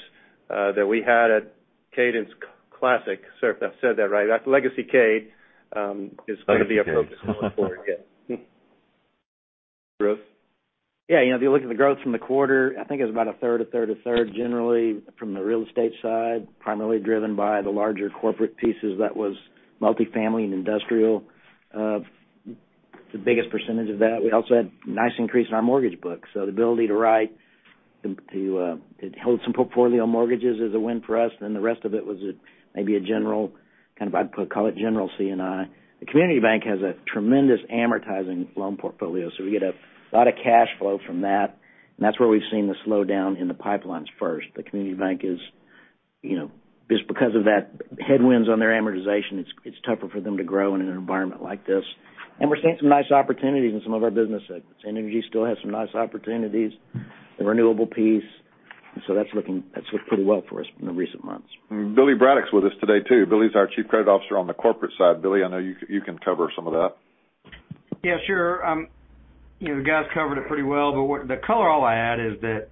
that we had at Cadence Classic. Sorry if I said that right. That's Legacy Cade, is going to be our focus going forward. Yeah. Growth? Yeah, if you look at the growth from the quarter, I think it was about a third, a third, a third, generally from the real estate side, primarily driven by the larger corporate pieces that was multifamily and industrial. The biggest percentage of that, we also had nice increase in our mortgage book. So the ability to write to hold some portfolio mortgages is a win for us. The rest of it was maybe a general, kind of, I'd call it general C&I. The community bank has a tremendous amortizing loan portfolio, so we get a lot of cash flow from that. That's where we've seen the slowdown in the pipelines first. The community bank is, you know, just because of that headwinds on their amortization, it's tougher for them to grow in an environment like this. We're seeing some nice opportunities in some of our business segments. Energy still has some nice opportunities, the renewable piece. That's looked pretty well for us in the recent months. Billy Braddock's with us today, too. Billy's our Chief Credit Officer on the corporate side. Billy, I know you can cover some of that. Yeah, sure. You know, the guys covered it pretty well, the color I'll add is that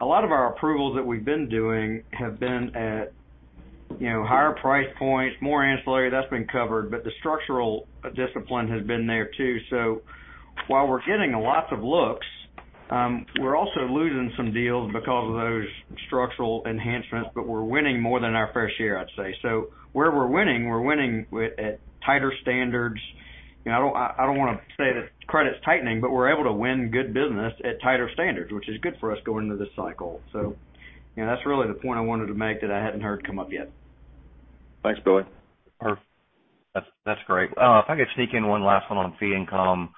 a lot of our approvals that we've been doing have been at, you know, higher price points, more ancillary, that's been covered, the structural discipline has been there too. While we're getting lots of looks, we're also losing some deals because of those structural enhancements, we're winning more than our fair share, I'd say. Where we're winning, we're winning at tighter standards. You know, I don't want to say that credit's tightening, we're able to win good business at tighter standards, which is good for us going into this cycle. You know, that's really the point I wanted to make that I hadn't heard come up yet. Thanks, Billy. That's great. If I could sneak in one last one on fee income.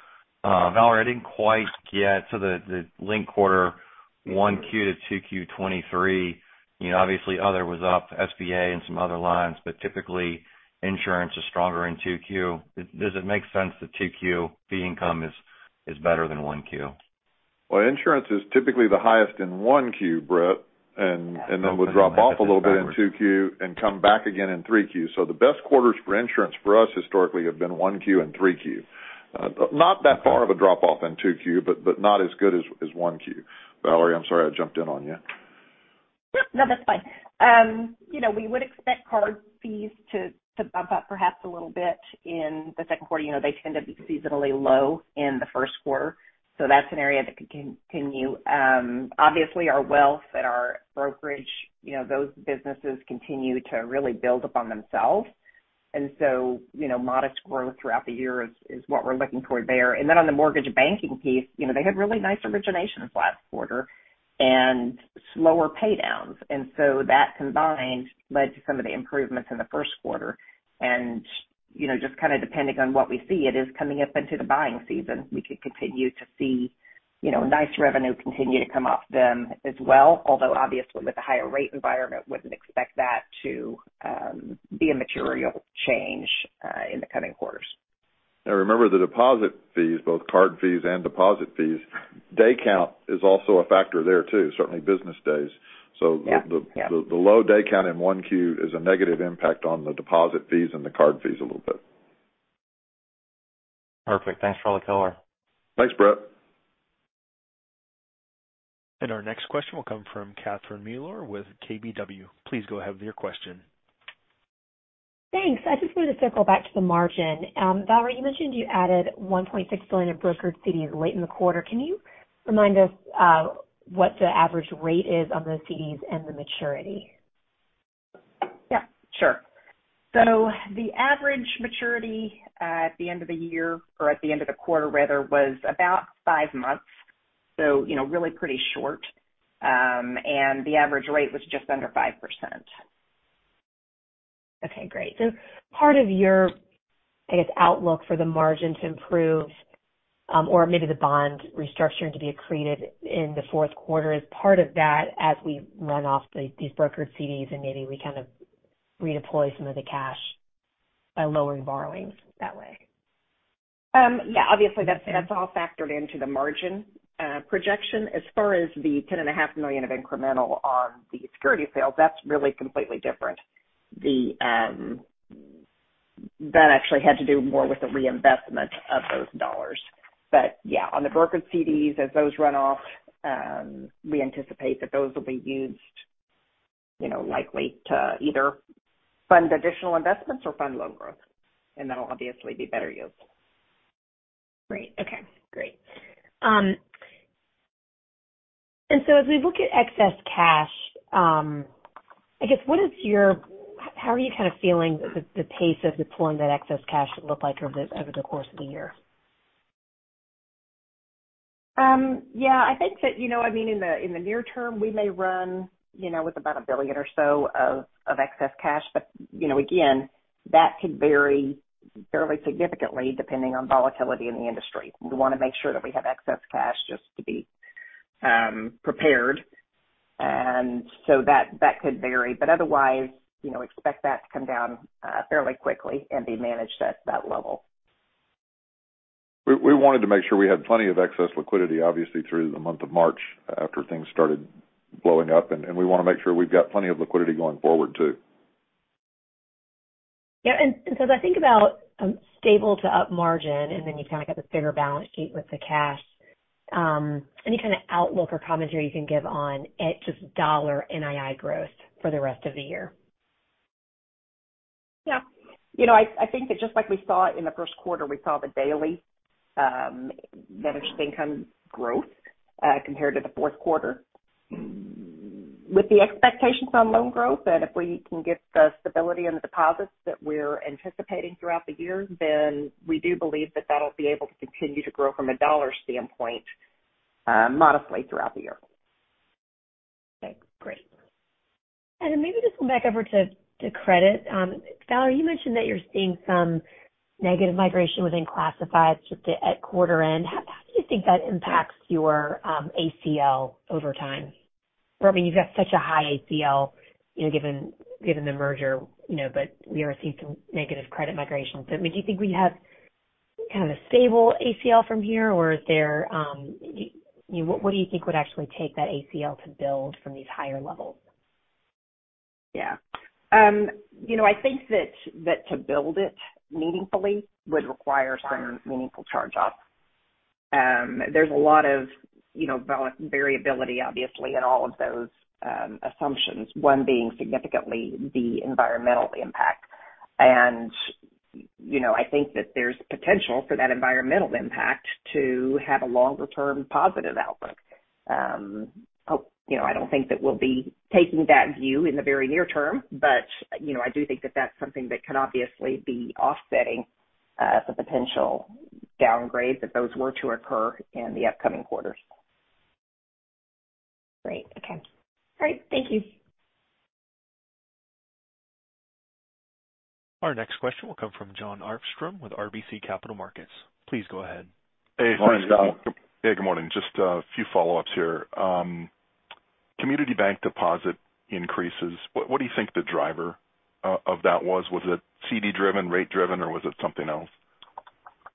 Valerie, I didn't quite get to the linked quarter 1Q to 2Q 2023. You know, obviously, other was up, SBA and some other lines, but typically insurance is stronger in 2Q. Does it make sense that 2Q fee income is better than 1Q? Insurance is typically the highest in one Q, Brett, and then will drop off a little bit in two Q and come back again in three Q. The best quarters for insurance for us historically have been one Q and three Q. Not that far of a drop off in two Q, but not as good as one Q. Valerie, I'm sorry I jumped in on you. No, that's fine. You know, we would expect card fees to bump up perhaps a little bit in the second quarter. You know, they tend to be seasonally low in the Q1. That's an area that could continue. Obviously, our wealth and our brokerage, you know, those businesses continue to really build upon themselves. You know, modest growth throughout the year is what we're looking toward there. Then on the mortgage banking piece, you know, they had really nice originations last quarter and slower pay downs. That combined led to some of the improvements in the Q1. You know, just kind of depending on what we see, it is coming up into the buying season. We could continue to see, you know, nice revenue continue to come off them as well. Obviously with the higher rate environment, wouldn't expect that to be a material change in the coming quarters. Remember, the deposit fees, both card fees and deposit fees, day count is also a factor there too, certainly business days. Yeah. Yeah. The, the low day count in 1 Q is a negative impact on the deposit fees and the card fees a little bit. Perfect. Thanks for all the color. Thanks, Brett. Our next question will come from Catherine Mealor with KBW. Please go ahead with your question. Thanks. I just wanted to circle back to the margin. Valerie, you mentioned you added $1.6 billion in brokered CDs late in the quarter. Can you remind us what the average rate is on those CDs and the maturity? Yeah, sure. The average maturity at the end of the year or at the end of the quarter rather, was about 5 months. You know, really pretty short. The average rate was just under 5%. Okay, great. Part of your, I guess, outlook for the margin to improve, or maybe the bond restructuring to be accreted in the Q4 is part of that as we run off these brokered CDs and maybe we kind of redeploy some of the cash by lowering borrowings that way? Yeah, obviously that's all factored into the margin projection. As far as the $10.5 million of incremental on the security sales, that's really completely different. That actually had to do more with the reinvestment of those dollars. Yeah, on the brokered CDs, as those run off, we anticipate that those will be used, you know, likely to either fund additional investments or fund loan growth, and that'll obviously be better yields. Great. Okay, great. As we look at excess cash, I guess how are you kind of feeling the pace of deploying that excess cash look like over the course of the year? Yeah, I think that, you know, I mean, in the near term, we may run, you know, with about $1 billion or so of excess cash. Again, that could vary fairly significantly depending on volatility in the industry. We wanna make sure that we have excess cash just to be prepared. That could vary. Otherwise, you know, expect that to come down fairly quickly and be managed at that level. We wanted to make sure we had plenty of excess liquidity, obviously, through the month of March after things started blowing up, and we wanna make sure we've got plenty of liquidity going forward, too. Yeah. As I think about, stable to up margin, and then you kind of get the bigger balance sheet with the cash, any kind of outlook or commentary you can give on just dollar NII growth for the rest of the year? Yeah. You know, I think that just like we saw in the Q1, we saw the daily managed income growth compared to the Q4. With the expectations on loan growth, if we can get the stability in the deposits that we're anticipating throughout the year, we do believe that that'll be able to continue to grow from a dollar standpoint modestly throughout the year. Okay, great. Maybe just going back over to credit. Valerie, you mentioned that you're seeing some negative migration within classifieds just at quarter end. How do you think that impacts your ACL over time? I mean, you've got such a high ACL, you know, given the merger, you know, but we already see some negative credit migration. I mean, do you think we have kind of a stable ACL from here, or is there what do you think would actually take that ACL to build from these higher levels? Yeah. You know, I think that to build it meaningfully would require some meaningful charge-offs. There's a lot of, you know, variability obviously in all of those assumptions, one being significantly the environmental impact. You know, I think that there's potential for that environmental impact to have a longer term positive outlook. You know, I don't think that we'll be taking that view in the very near term, but, you know, I do think that that's something that can obviously be offsetting the potential downgrade that those were to occur in the upcoming quarters. Great. Okay. All right. Thank you. Our next question will come from Jon Arfstrom with RBC Capital Markets. Please go ahead. Hey, good morning. Morning, Jon. Yeah, good morning. Just a few follow-ups here. community bank deposit increases, what do you think the driver of that was? Was it CD driven, rate driven, or was it something else?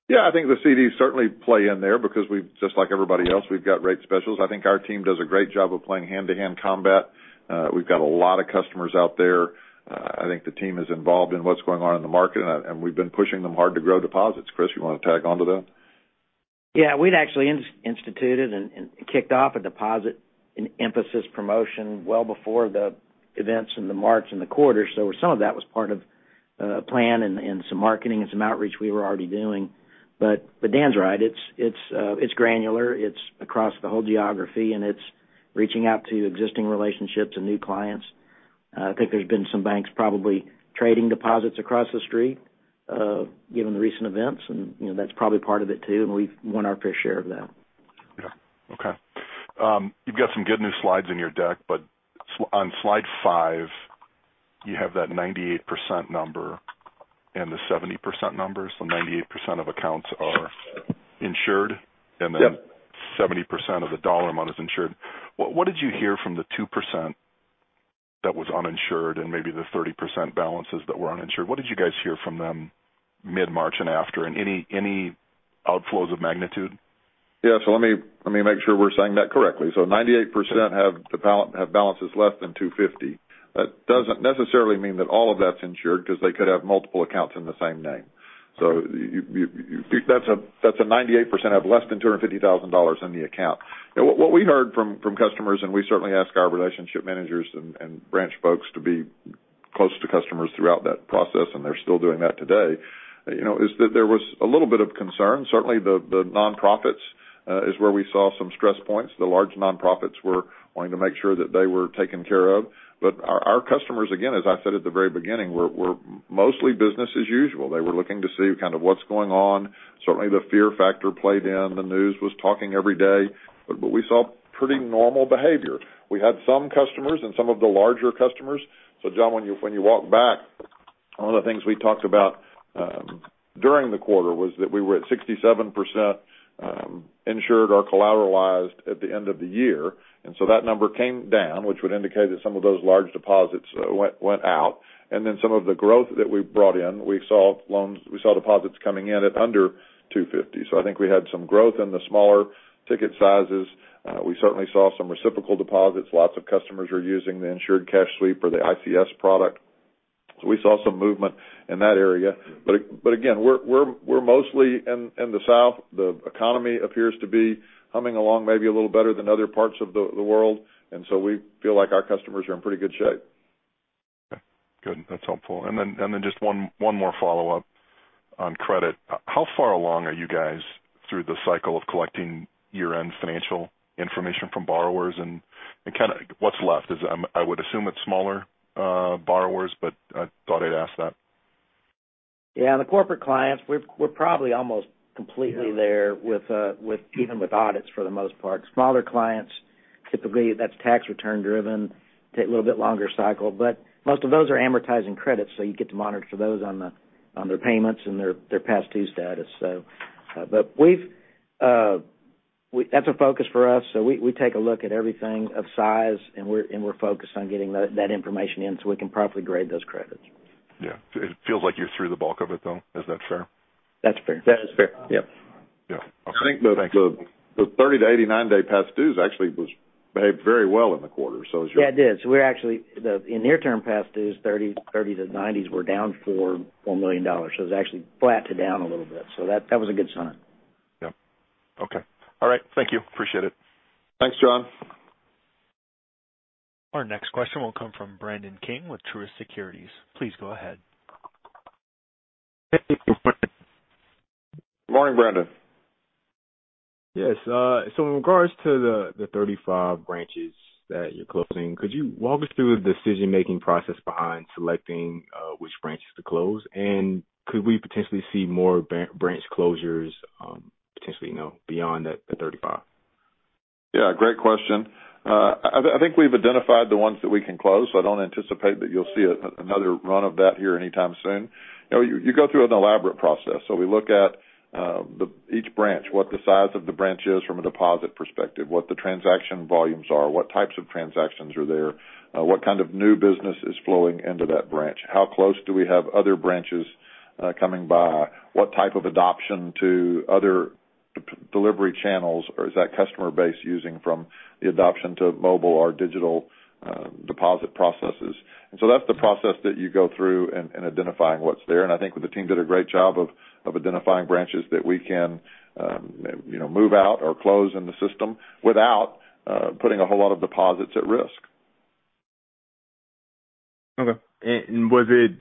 Yeah, I think the CDs certainly play in there because just like everybody else, we've got rate specials. I think our team does a great job of playing hand-to-hand combat. We've got a lot of customers out there. I think the team is involved in what's going on in the market, and we've been pushing them hard to grow deposits. Chris, you wanna tag on to that? Yeah. We'd actually instituted and kicked off a deposit emphasis promotion well before the events in March and the quarter. Some of that was part of a plan and some marketing and some outreach we were already doing. Dan's right, it's granular, it's across the whole geography, and it's reaching out to existing relationships and new clients. I think there's been some banks probably trading deposits across the street given the recent events, you know, that's probably part of it too, and we've won our fair share of that. Okay. You've got some good new slides in your deck, on slide five, you have that 98% number and the 70% number. 98% of accounts are insured. Yep. Then 70% of the dollar amount is insured. What did you hear from the 2% that was uninsured and maybe the 30% balances that were uninsured? What did you guys hear from them mid-March and after? Any outflows of magnitude? Let me make sure we're saying that correctly. 98% have balances less than $250. That doesn't necessarily mean that all of that's insured because they could have multiple accounts in the same name. That's a 98% have less than $250,000 in the account. What we heard from customers, and we certainly ask our Relationship Managers and branch folks to be close to customers throughout that process, and they're still doing that today, you know, is that there was a little bit of concern. Certainly the nonprofits is where we saw some stress points. The large nonprofits were wanting to make sure that they were taken care of. Our customers, again, as I said at the very beginning, were mostly business as usual. They were looking to see kind of what's going on. Certainly the fear factor played in, the news was talking every day, but we saw pretty normal behavior. We had some customers and some of the larger customers. Jon, when you walk back, one of the things we talked about during the quarter was that we were at 67% insured or collateralized at the end of the year. That number came down, which would indicate that some of those large deposits went out. Then some of the growth that we brought in, we saw loans, we saw deposits coming in at under $250. I think we had some growth in the smaller ticket sizes. We certainly saw some reciprocal deposits. Lots of customers are using the Insured Cash Sweep or the ICS product. We saw some movement in that area. Again, we're mostly in the South. The economy appears to be humming along maybe a little better than other parts of the world, we feel like our customers are in pretty good shape. Okay. Good. That's helpful. Just one more follow-up on credit. How far along are you guys through the cycle of collecting year-end financial information from borrowers? Kinda what's left? I would assume it's smaller borrowers, but I thought I'd ask that. Yeah, the corporate clients, we're probably almost completely there with even with audits for the most part. Smaller clients, typically that's tax return driven, take a little bit longer cycle. Most of those are amortizing credits, so you get to monitor those on their payments and their past dues status. But we've that's a focus for us. We take a look at everything of size, and we're focused on getting that information in so we can properly grade those credits. It feels like you're through the bulk of it, though. Is that fair? That's fair. That is fair. Yep. Yeah. Okay. Thanks. I think the, the 30 to 89 day past dues actually was, behaved very well in the quarter. Yeah, it did. We're actually in near term past dues, 30 to 90s, we're down $4 million. It's actually flat to down a little bit. That was a good sign. Yep. Okay. All right. Thank you. Appreciate it. Thanks, Jon. Our next question will come from Brandon King with Truist Securities. Please go ahead. Morning, Brandon. Yes. In regards to the 35 branches that you're closing, could you walk us through the decision-making process behind selecting which branches to close? Could we potentially see more branch closures, potentially, you know, beyond that, the 35? Yeah, great question. I think we've identified the ones that we can close, so I don't anticipate that you'll see another run of that here anytime soon. You know, you go through an elaborate process. We look at each branch, what the size of the branch is from a deposit perspective, what the transaction volumes are, what types of transactions are there, what kind of new business is flowing into that branch, how close do we have other branches coming by, what type of adoption to other delivery channels or is that customer base using from the adoption to mobile or digital deposit processes. That's the process that you go through in identifying what's there. I think the team did a great job of identifying branches that we can, you know, move out or close in the system without putting a whole lot of deposits at risk. Okay. Was it?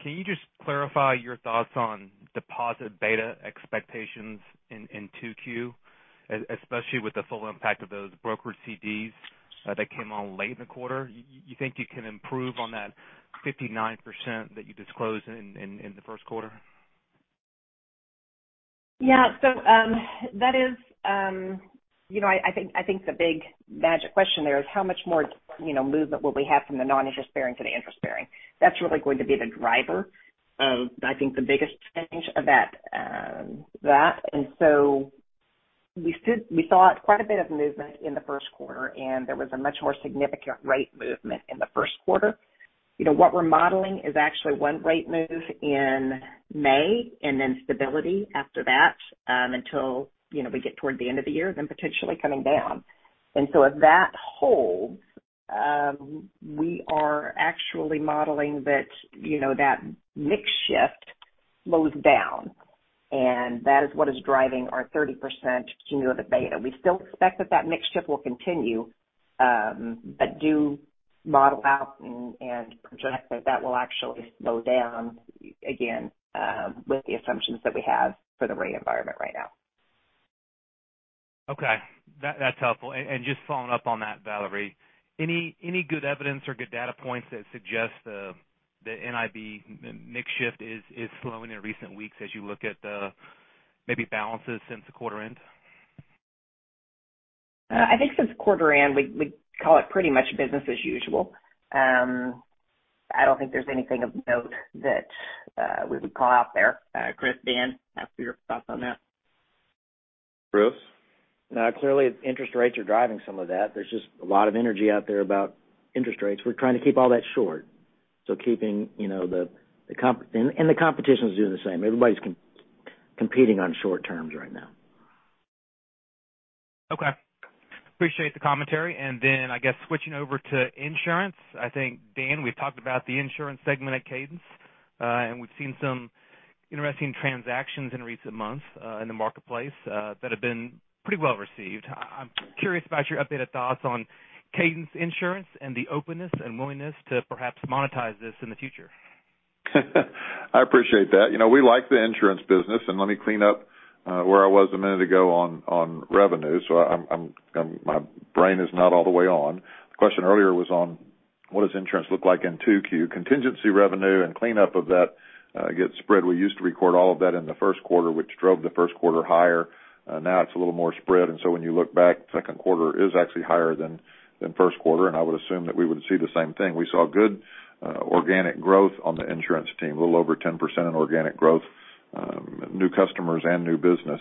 Bruce? Clearly interest rates are driving some of that. There's just a lot of energy out there about interest rates. We're trying to keep all that short. Keeping, you know, the competition is doing the same. Everybody's competing on short terms right now. Okay. Appreciate the commentary. I guess switching over to insurance, I think, Dan, we've talked about the insurance segment at Cadence, and we've seen some interesting transactions in recent months, in the marketplace, that have been pretty well received. I'm curious about your updated thoughts on Cadence Insurance and the openness and willingness to perhaps monetize this in the future. I appreciate that. You know, we like the insurance business. Let me clean up where I was a minute ago on revenue. My brain is not all the way on. The question earlier was on what does insurance look like in 2Q. Contingency revenue and cleanup of that get spread. We used to record all of that in the Q1, which drove the Q1 higher. Now it's a little more spread. When you look back, second quarter is actually higher than Q1, and I would assume that we would see the same thing. We saw good organic growth on the insurance team, a little over 10% in organic growth, new customers and new business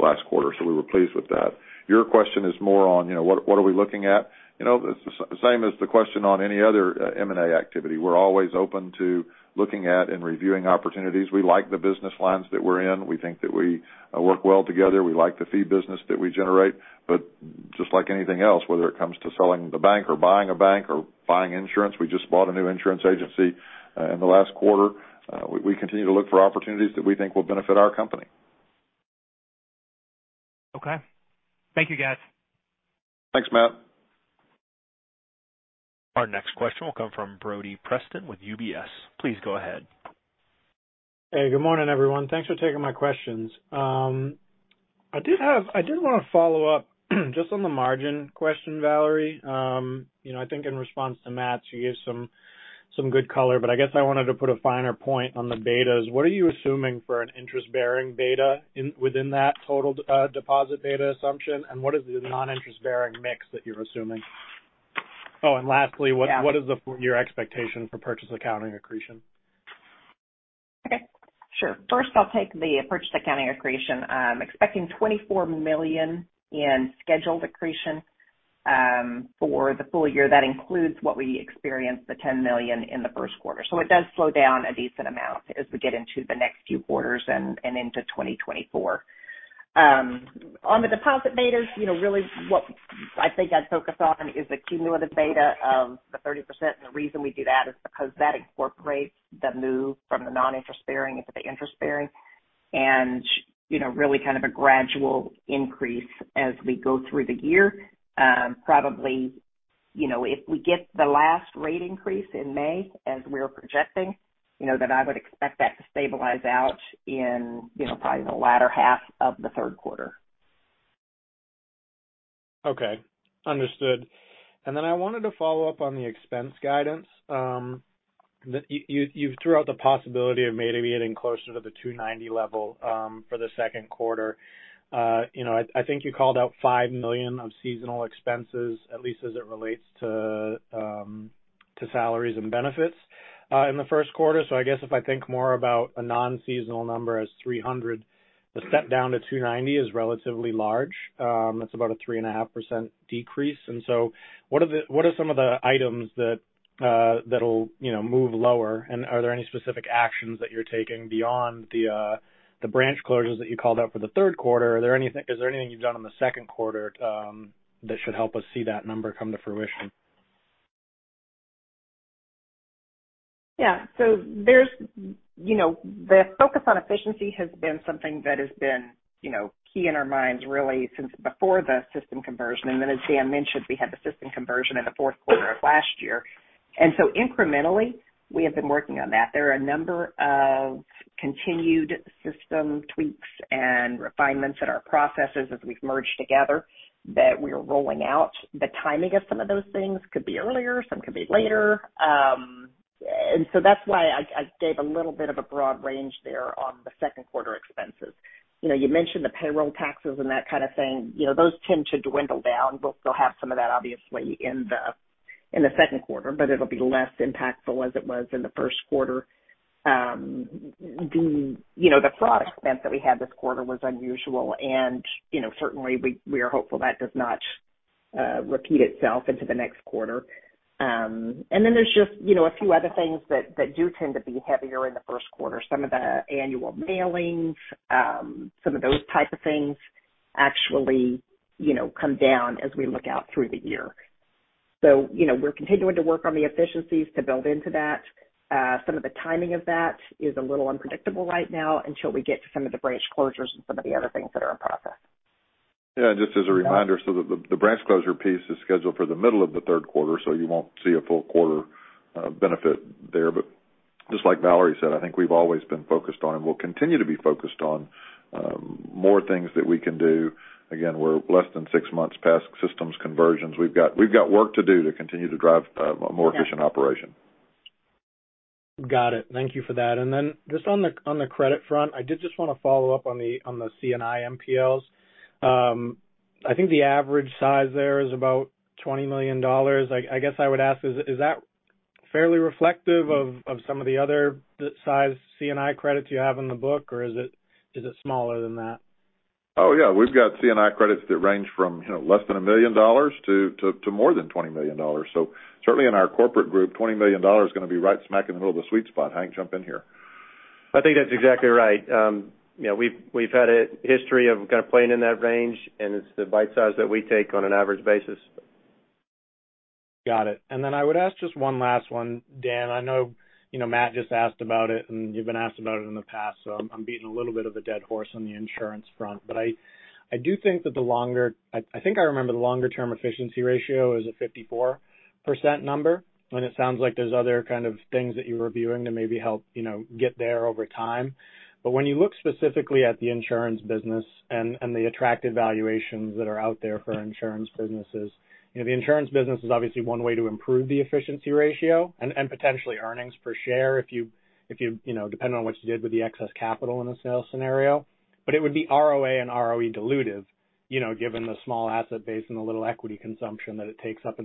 last quarter, so we were pleased with that. Your question is more on, you know, what are we looking at. You know, it's the same as the question on any other M&A activity. We're always open to looking at and reviewing opportunities. We like the business lines that we're in. We think that we work well together. We like the fee business that we generate. Just like anything else, whether it comes to selling the bank or buying a bank or buying insurance, we just bought a new insurance agency in the last quarter. We continue to look for opportunities that we think will benefit our company. Okay. Thank you, guys. Thanks, Brandon. Our next question will come from Brody Preston with UBS. Please go ahead. Hey, good morning, everyone. Thanks for taking my questions. I did want to follow up just on the margin question, Valerie. you know, I think in response to Matt, you gave some good color, but I guess I wanted to put a finer point on the betas. What are you assuming for an interest-bearing beta in, within that total deposit beta assumption? What is the non-interest bearing mix that you're assuming? lastly. Yeah. What is your expectation for purchase accounting accretion? Okay, sure. First, I'll take the purchase accounting accretion. I'm expecting $24 million in scheduled accretion for the full year. That includes what we experienced, the $10 million in the Q1. It does slow down a decent amount as we get into the next few quarters and into 2024. On the deposit betas, you know, really what I think I'd focus on is the cumulative beta of the 30%. The reason we do that is because that incorporates the move from the non-interest bearing into the interest bearing and, you know, really kind of a gradual increase as we go through the year. Probably, you know, if we get the last rate increase in May as we're projecting, you know, then I would expect that to stabilize out in, you know, probably the latter half of the third quarter. Okay. Understood. Then I wanted to follow up on the expense guidance. You threw out the possibility of maybe getting closer to the 290 level for the second quarter. You know, I think you called out $5 million of seasonal expenses, at least as it relates to salaries and benefits in the Q1. I guess if I think more about a non-seasonal number as 300, the step down to 290 is relatively large. That's about a 3.5% decrease. What are some of the items that'll, you know, move lower? Are there any specific actions that you're taking beyond the branch closures that you called out for the third quarter? Is there anything you've done in the second quarter, that should help us see that number come to fruition? Yeah. There's, you know, the focus on efficiency has been something that has been, you know, key in our minds really since before the system conversion. As Dan mentioned, we had the system conversion in the Q4 of last year. Incrementally, we have been working on that. There are a number of continued system tweaks and refinements in our processes as we've merged together that we are rolling out. The timing of some of those things could be earlier, some could be later. That's why I gave a little bit of a broad range there on the second quarter expenses. You know, you mentioned the payroll taxes and that kind of thing. You know, those tend to dwindle down. We'll still have some of that obviously in the, in the second quarter, but it'll be less impactful as it was in the Q1. The, you know, the fraud expense that we had this quarter was unusual and, you know, certainly we are hopeful that does not repeat itself into the next quarter. Then there's just, you know, a few other things that do tend to be heavier in the Q1. Some of the annual mailings, some of those type of things actually, you know, come down as we look out through the year. You know, we're continuing to work on the efficiencies to build into that. Some of the timing of that is a little unpredictable right now until we get to some of the branch closures and some of the other things that are in process. Just as a reminder, the branch closure piece is scheduled for the middle of the 3rd quarter, so you won't see a full quarter benefit there. Just like Valerie said, I think we've always been focused on and will continue to be focused on more things that we can do. Again, we're less than 6 months past systems conversions. We've got work to do to continue to drive a more efficient operation. Got it. Thank you for that. Then just on the, on the credit front, I did just want to follow up on the, on the C&I NPLs. I think the average size there is about $20 million. I guess I would ask, is that fairly reflective of some of the other size C&I credits you have in the book, or is it smaller than that? Oh, yeah, we've got C&I credits that range from, you know, less than $1 million to more than $20 million. Certainly in our corporate group, $20 million is gonna be right smack in the middle of the sweet spot. Hank, jump in here. I think that's exactly right. You know, we've had a history of kind of playing in that range and it's the bite size that we take on an average basis. Got it. I would ask just one last one, Dan. I know, you know, Matt just asked about it, and you've been asked about it in the past, so I'm beating a little bit of a dead horse on the insurance front. I do think that I think I remember the longer term efficiency ratio is a 54% number, and it sounds like there's other kind of things that you're reviewing to maybe help, you know, get there over time. When you look specifically at the insurance business and the attractive valuations that are out there for insurance businesses, you know, the insurance business is obviously one way to improve the efficiency ratio and potentially earnings per share if you know, depending on what you did with the excess capital in a sales scenario. It would be ROA and ROE dilutive, you know, given the small asset base and the little equity consumption that it takes up.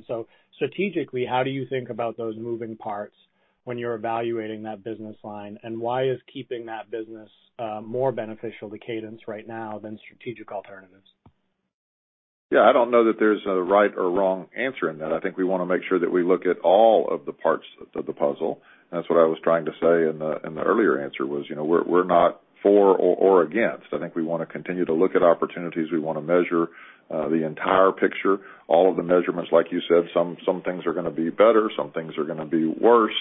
Strategically, how do you think about those moving parts when you're evaluating that business line and why is keeping that business more beneficial to Cadence right now than strategic alternatives? Yeah, I don't know that there's a right or wrong answer in that. I think we wanna make sure that we look at all of the parts of the puzzle. That's what I was trying to say in the, in the earlier answer was, you know, we're not for or against. I think we wanna continue to look at opportunities. We wanna measure the entire picture, all of the measurements. Like you said, some things are gonna be better, some things are gonna be worse.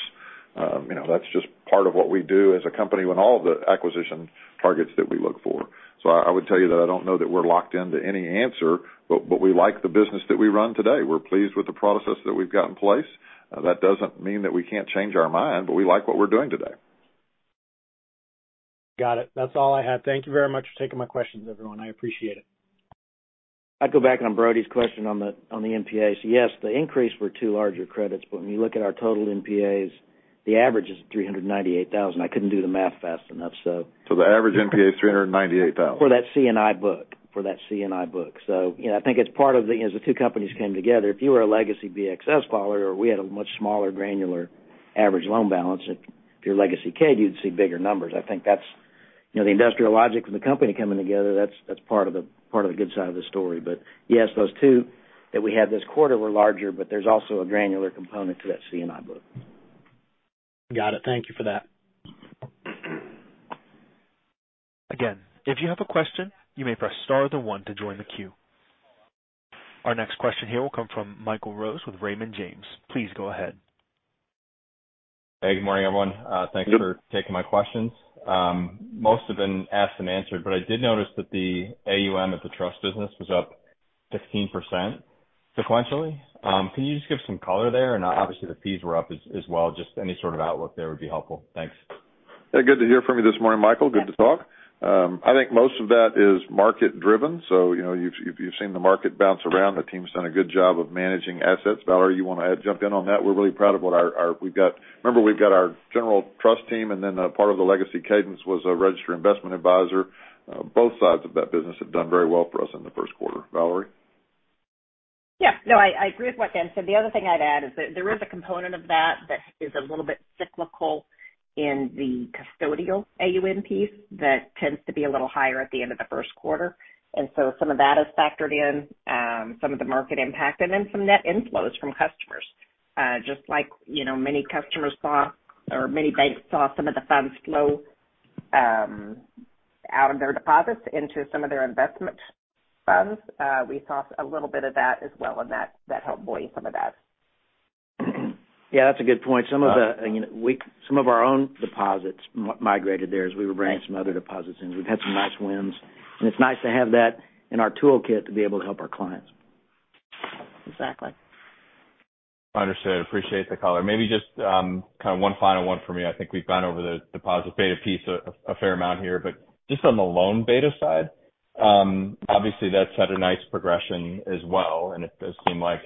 You know, that's just part of what we do as a company when all of the acquisition targets that we look for. I would tell you that I don't know that we're locked into any answer, but we like the business that we run today. We're pleased with the process that we've got in place. That doesn't mean that we can't change our mind, but we like what we're doing today. Got it. That's all I have. Thank you very much for taking my questions, everyone. I appreciate it. I'd go back on Brody's question on the, on the NPAs. Yes, the increase were two larger credits, but when you look at our total NPAs, the average is $398,000. I couldn't do the math fast enough, so. The average NPA is $398,000. For that C&I book. you know, I think it's part of the, as the two companies came together. If you were a Legacy BXS follower, we had a much smaller granular average loan balance. If you're legacy CADE, you'd see bigger numbers. I think that's, you know, the industrial logic of the company coming together. That's part of the, part of the good side of the story. yes, those two that we had this quarter were larger, but there's also a granular component to that C&I book. Got it. Thank you for that. Again, if you have a question, you may press star then one to join the queue. Our next question here will come from Michael Rose with Raymond James. Please go ahead. Hey, good morning, everyone. Thanks for taking my questions. Most have been asked and answered, but I did notice that the AUM of the trust business was up 15% sequentially. Can you just give some color there? Obviously the fees were up as well. Just any sort of outlook there would be helpful. Thanks. Yeah, good to hear from you this morning, Michael. Good to talk. I think most of that is market-driven. You know, you've seen the market bounce around. The team's done a good job of managing assets. Valerie, you wanna jump in on that? We're really proud of what our. Remember we've got our general trust team and then, part of the legacy Cadence was a registered investment advisor. Both sides of that business have done very well for us in the Q1. Valerie? Yeah. No, I agree with what Dan said. The other thing I'd add is that there is a component of that that is a little bit cyclical in the custodial AUM piece that tends to be a little higher at the end of the Q1. Some of that is factored in, some of the market impact and then some net inflows from customers. Just like, you know, many customers saw or many banks saw some of the funds flow out of their deposits into some of their investment funds, we saw a little bit of that as well, and that helped buoy some of that. Yeah, that's a good point. Some of the, you know, some of our own deposits migrated there as we were bringing some other deposits in. We've had some nice wins, and it's nice to have that in our toolkit to be able to help our clients. Exactly. Understood. Appreciate the color. Maybe just, kind of one final one for me. I think we've gone over the deposit beta piece a fair amount here, but just on the loan beta side, obviously that's had a nice progression as well, and it does seem like,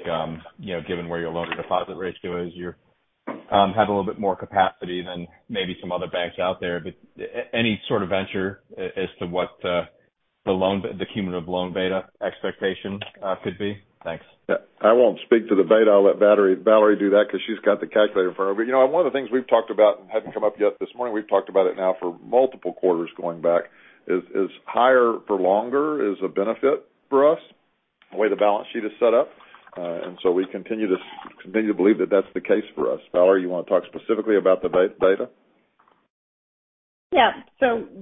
you know, given where your loan to deposit ratio is, you have a little bit more capacity than maybe some other banks out there. Any sort of venture as to what the cumulative loan beta expectation could be? Thanks. Yeah, I won't speak to the beta. I'll let Valerie do that 'cause she's got the calculator in front of her. You know, one of the things we've talked about and hadn't come up yet this morning, we've talked about it now for multiple quarters going back, is higher for longer is a benefit for us, the way the balance sheet is set up. We continue to believe that that's the case for us. Valerie, you wanna talk specifically about the beta?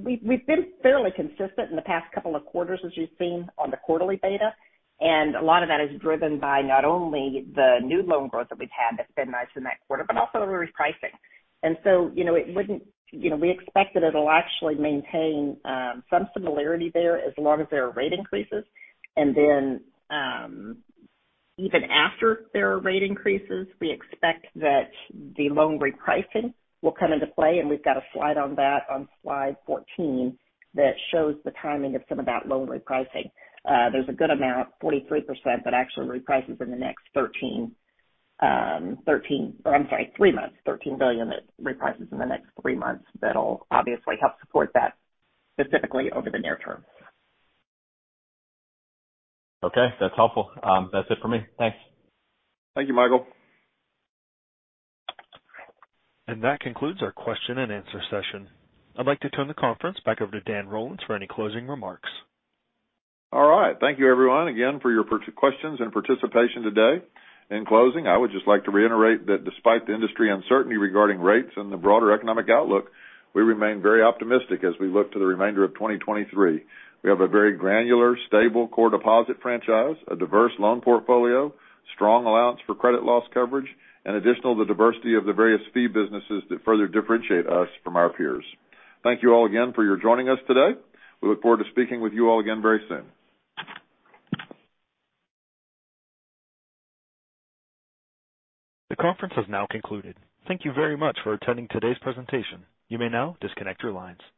We, we've been fairly consistent in the past couple of quarters, as you've seen on the quarterly beta. A lot of that is driven by not only the new loan growth that we've had that's been nice in that quarter, but also a repricing. You know, it wouldn't. You know, we expect that it'll actually maintain some similarity there as long as there are rate increases. Even after there are rate increases, we expect that the loan repricing will come into play, and we've got a slide on that on slide 14 that shows the timing of some of that loan repricing. There's a good amount, 43%, that actually reprices in the next 13. Or I'm sorry, 3 months. $13 billion that reprices in the next 3 months. That'll obviously help support that specifically over the near term. Okay, that's helpful. That's it for me. Thanks. Thank you, Michael. That concludes our question and answer session. I'd like to turn the conference back over to Dan Rollins for any closing remarks. All right. Thank you everyone again for your questions and participation today. In closing, I would just like to reiterate that despite the industry uncertainty regarding rates and the broader economic outlook, we remain very optimistic as we look to the remainder of 2023. We have a very granular, stable core deposit franchise, a diverse loan portfolio, strong allowance for credit loss coverage, and additional the diversity of the various fee businesses that further differentiate us from our peers. Thank you all again for your joining us today. We look forward to speaking with you all again very soon. The conference has now concluded. Thank you very much for attending today's presentation. You may now disconnect your lines.